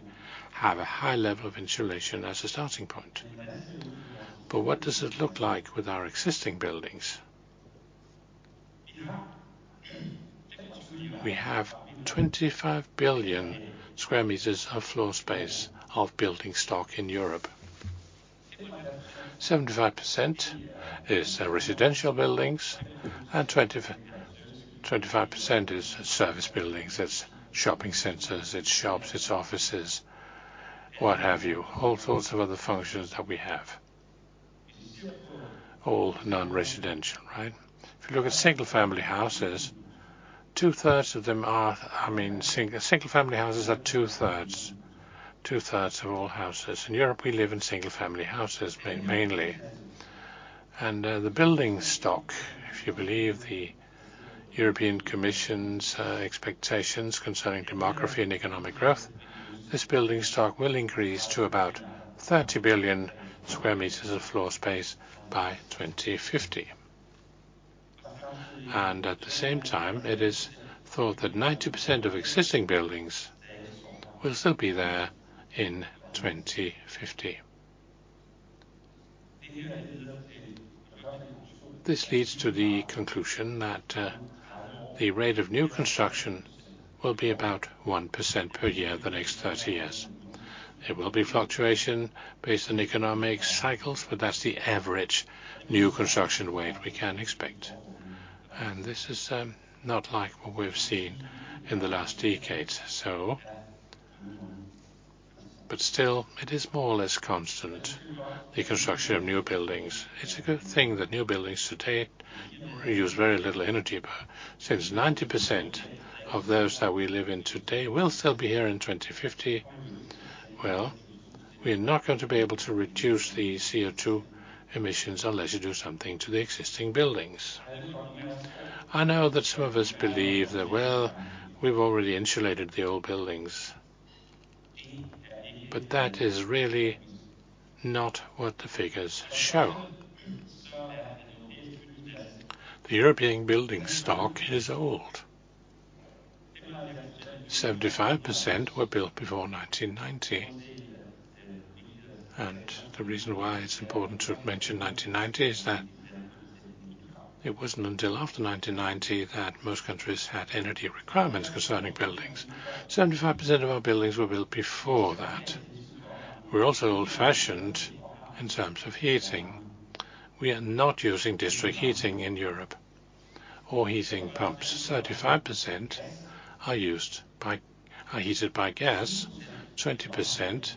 have a high level of insulation as a starting point. What does it look like with our existing buildings? We have 25 billion square meters of floor space of building stock in Europe. 75% is residential buildings and 25% is service buildings. It's shopping centers, it's shops, it's offices, what have you. All sorts of other functions that we have. All non-residential, right? If you look at single-family houses, 2/3 of them are... I mean, single-family houses are 2/3. 2/3 of all houses. In Europe, we live in single-family houses mainly. The building stock, if you believe the European Commission's expectations concerning demography and economic growth, this building stock will increase to about 30 billion square meters of floor space by 2050. At the same time, it is thought that 90% of existing buildings will still be there in 2050. This leads to the conclusion that the rate of new construction will be about 1% per year the next 30 years. There will be fluctuation based on economic cycles, but that's the average new construction rate we can expect. This is not like what we've seen in the last decades. Still, it is more or less constant, the construction of new buildings. It's a good thing that new buildings today use very little energy. Since 90% of those that we live in today will still be here in 2050, well, we're not going to be able to reduce the CO₂ emissions unless you do something to the existing buildings. I know that some of us believe that, well, we've already insulated the old buildings, but that is really not what the figures show. The European building stock is old. 75% were built before 1990. The reason why it's important to mention 1990 is that it wasn't until after 1990 that most countries had energy requirements concerning buildings. 75% of our buildings were built before that. We're also old-fashioned in terms of heating. We are not using district heating in Europe or heating pumps. 35% are heated by gas. 20%,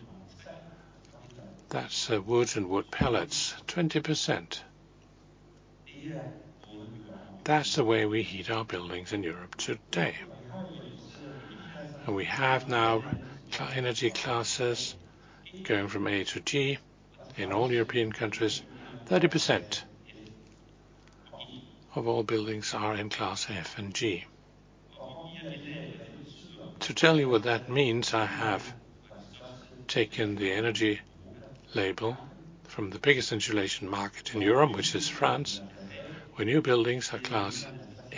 that's wood and wood pellets. 20%. That's the way we heat our buildings in Europe today. We have now energy classes going from A to G in all European countries. 30% of all buildings are in class F and G. To tell you what that means, I have taken the energy label from the biggest insulation market in Europe, which is France, where new buildings are Class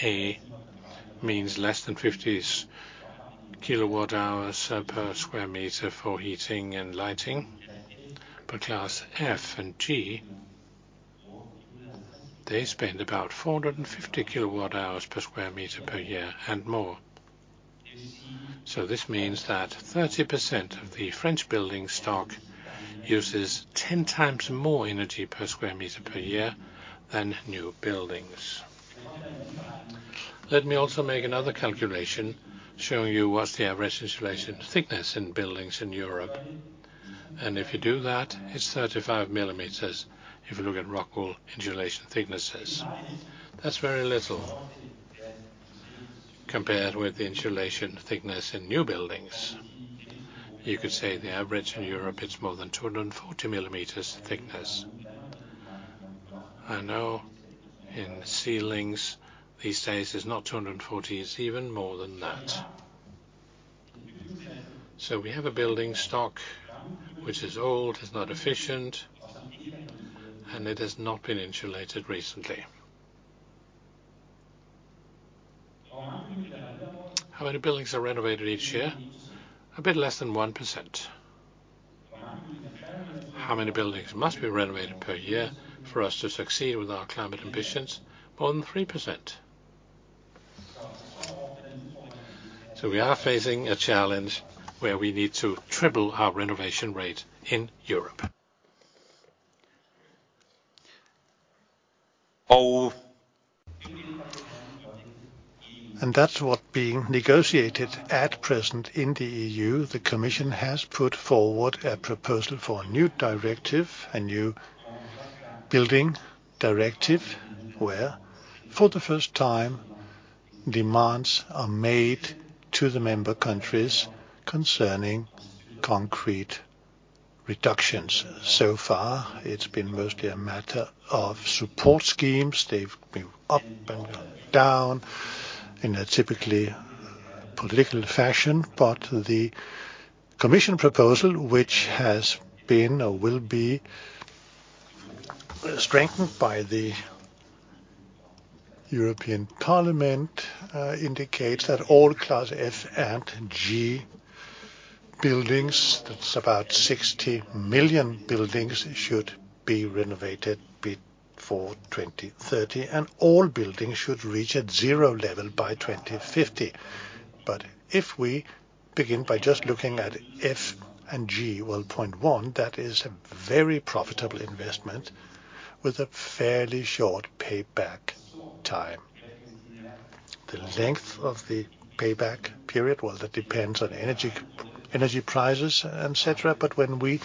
A, means less than 50 kWh per square meter for heating and lighting. Class F and G, they spend about 450 kWh per square meter per year and more. This means that 30% of the French building stock uses 10x more energy per square meter per year than new buildings. Let me also make another calculation showing you what's the average insulation thickness in buildings in Europe. If you do that, it's 35 millimeters if you look at ROCKWOOL insulation thicknesses. That's very little compared with the insulation thickness in new buildings. You could say the average in Europe, it's more than 240 millimeters thickness. I know in ceilings these days, it's not 240, it's even more than that. We have a building stock which is old, it's not efficient, and it has not been insulated recently. How many buildings are renovated each year? A bit less than 1%. How many buildings must be renovated per year for us to succeed with our climate ambitions? More than 3%. We are facing a challenge where we need to triple our renovation rate in Europe. Oh. That's what being negotiated at present in the EU. The Commission has put forward a proposal for a new directive, a new building directive, where for the first time, demands are made to the member countries concerning concrete reductions. So far, it's been mostly a matter of support schemes. They've been up and down in a typically political fashion. The commission proposal, which has been or will be strengthened by the European Parliament, indicates that all class F and G buildings, that's about 60 million buildings, should be renovated before 2030, and all buildings should reach a zero level by 2050. If we begin by just looking at F and G, well, point one, that is a very profitable investment with a fairly short payback time. The length of the payback period, well, that depends on energy prices, et cetera. When we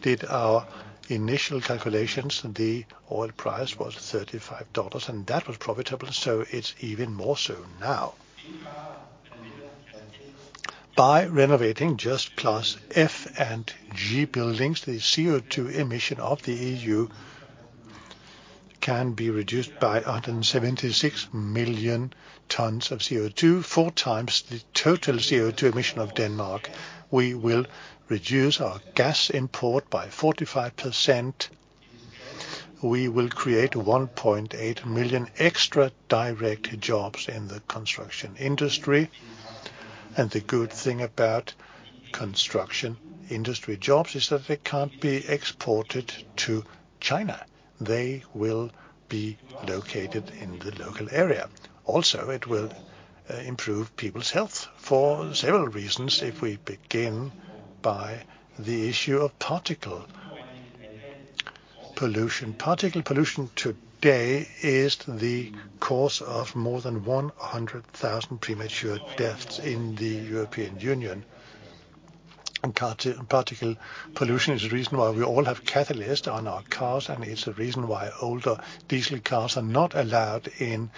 did our initial calculations, the oil price was $35, and that was profitable, so it's even more so now. By renovating just class F and G buildings, the CO₂ emission of the EU can be reduced by 176 million tons of CO₂, 4x the total CO₂ emission of Denmark. We will reduce our gas import by 45%. We will create 1.8 million extra direct jobs in the construction industry. The good thing about construction industry jobs is that they can't be exported to China. They will be located in the local area. Also, it will improve people's health for several reasons, if we begin by the issue of particle pollution. Particle pollution today is the cause of more than 100,000 premature deaths in the European Union. Particle pollution is the reason why we all have catalyst on our cars, and it's the reason why older diesel cars are not allowed in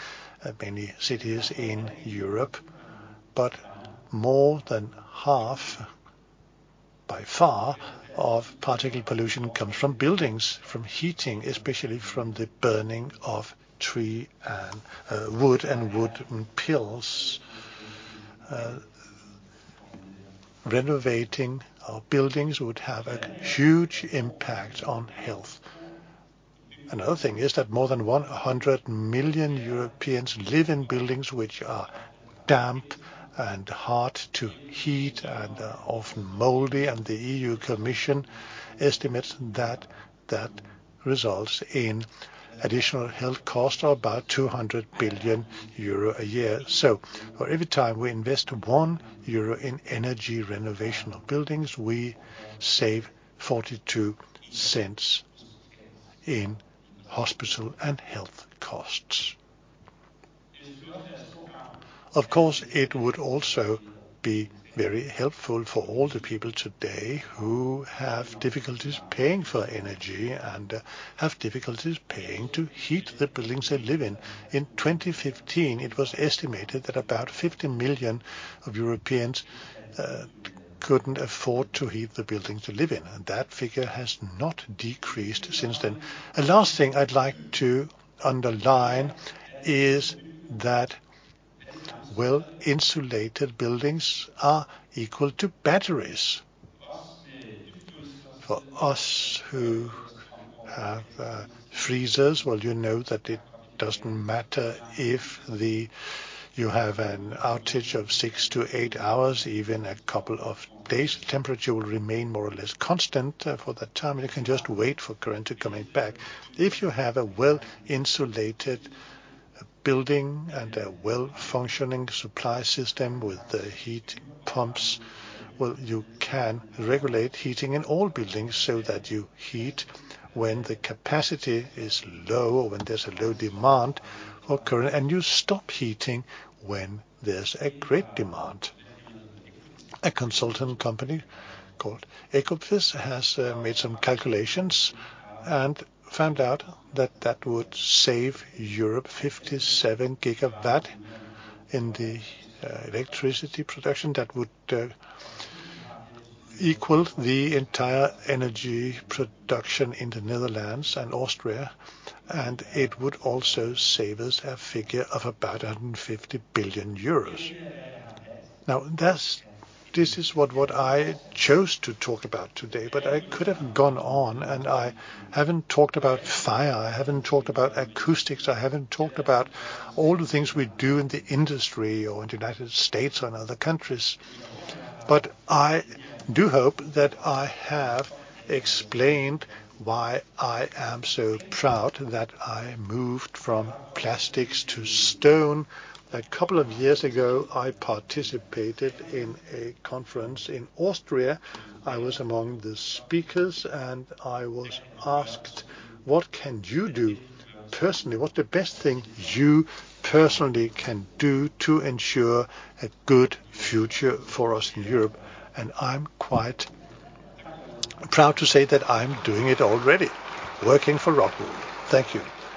many cities in Europe. More than half, by far, of particle pollution comes from buildings, from heating, especially from the burning of tree and wood and wooden pellets. Renovating our buildings would have a huge impact on health. Another thing is that more than 100 million Europeans live in buildings which are damp and hard to heat and are often moldy. The EU Commission estimates that that results in additional health costs of about 200 billion euro a year. For every time we invest 1 euro in energy renovation of buildings, we save 0.42 in hospital and health costs. Of course, it would also be very helpful for all the people today who have difficulties paying for energy and have difficulties paying to heat the buildings they live in. In 2015, it was estimated that about 50 million of Europeans couldn't afford to heat the buildings they live in, and that figure has not decreased since then. The last thing I'd like to underline is that well-insulated buildings are equal to batteries. For us who have freezers, well, you know that it doesn't matter if you have an outage of 6-8 hours, even a couple of days. The temperature will remain more or less constant for that time, and you can just wait for current to coming back. If you have a well-insulated building and a well-functioning supply system with the heat pumps, well, you can regulate heating in all buildings so that you heat when the capacity is low or when there's a low demand of current, and you stop heating when there's a great demand. A consultant company called Ecofys has made some calculations and found out that that would save Europe 57 gigawatt in the electricity production. That would equal the entire energy production in the Netherlands and Austria, and it would also save us a figure of about 150 billion euros. Now, this is what I chose to talk about today, but I could have gone on, and I haven't talked about fire, I haven't talked about acoustics, I haven't talked about all the things we do in the industry or in the United States or in other countries. I do hope that I have explained why I am so proud that I moved from plastics to stone. A couple of years ago, I participated in a conference in Austria. I was among the speakers, and I was asked, "What can you do personally? What's the best thing you personally can do to ensure a good future for us in Europe?" I'm quite proud to say that I'm doing it already, working for ROCKWOOL. Thank you.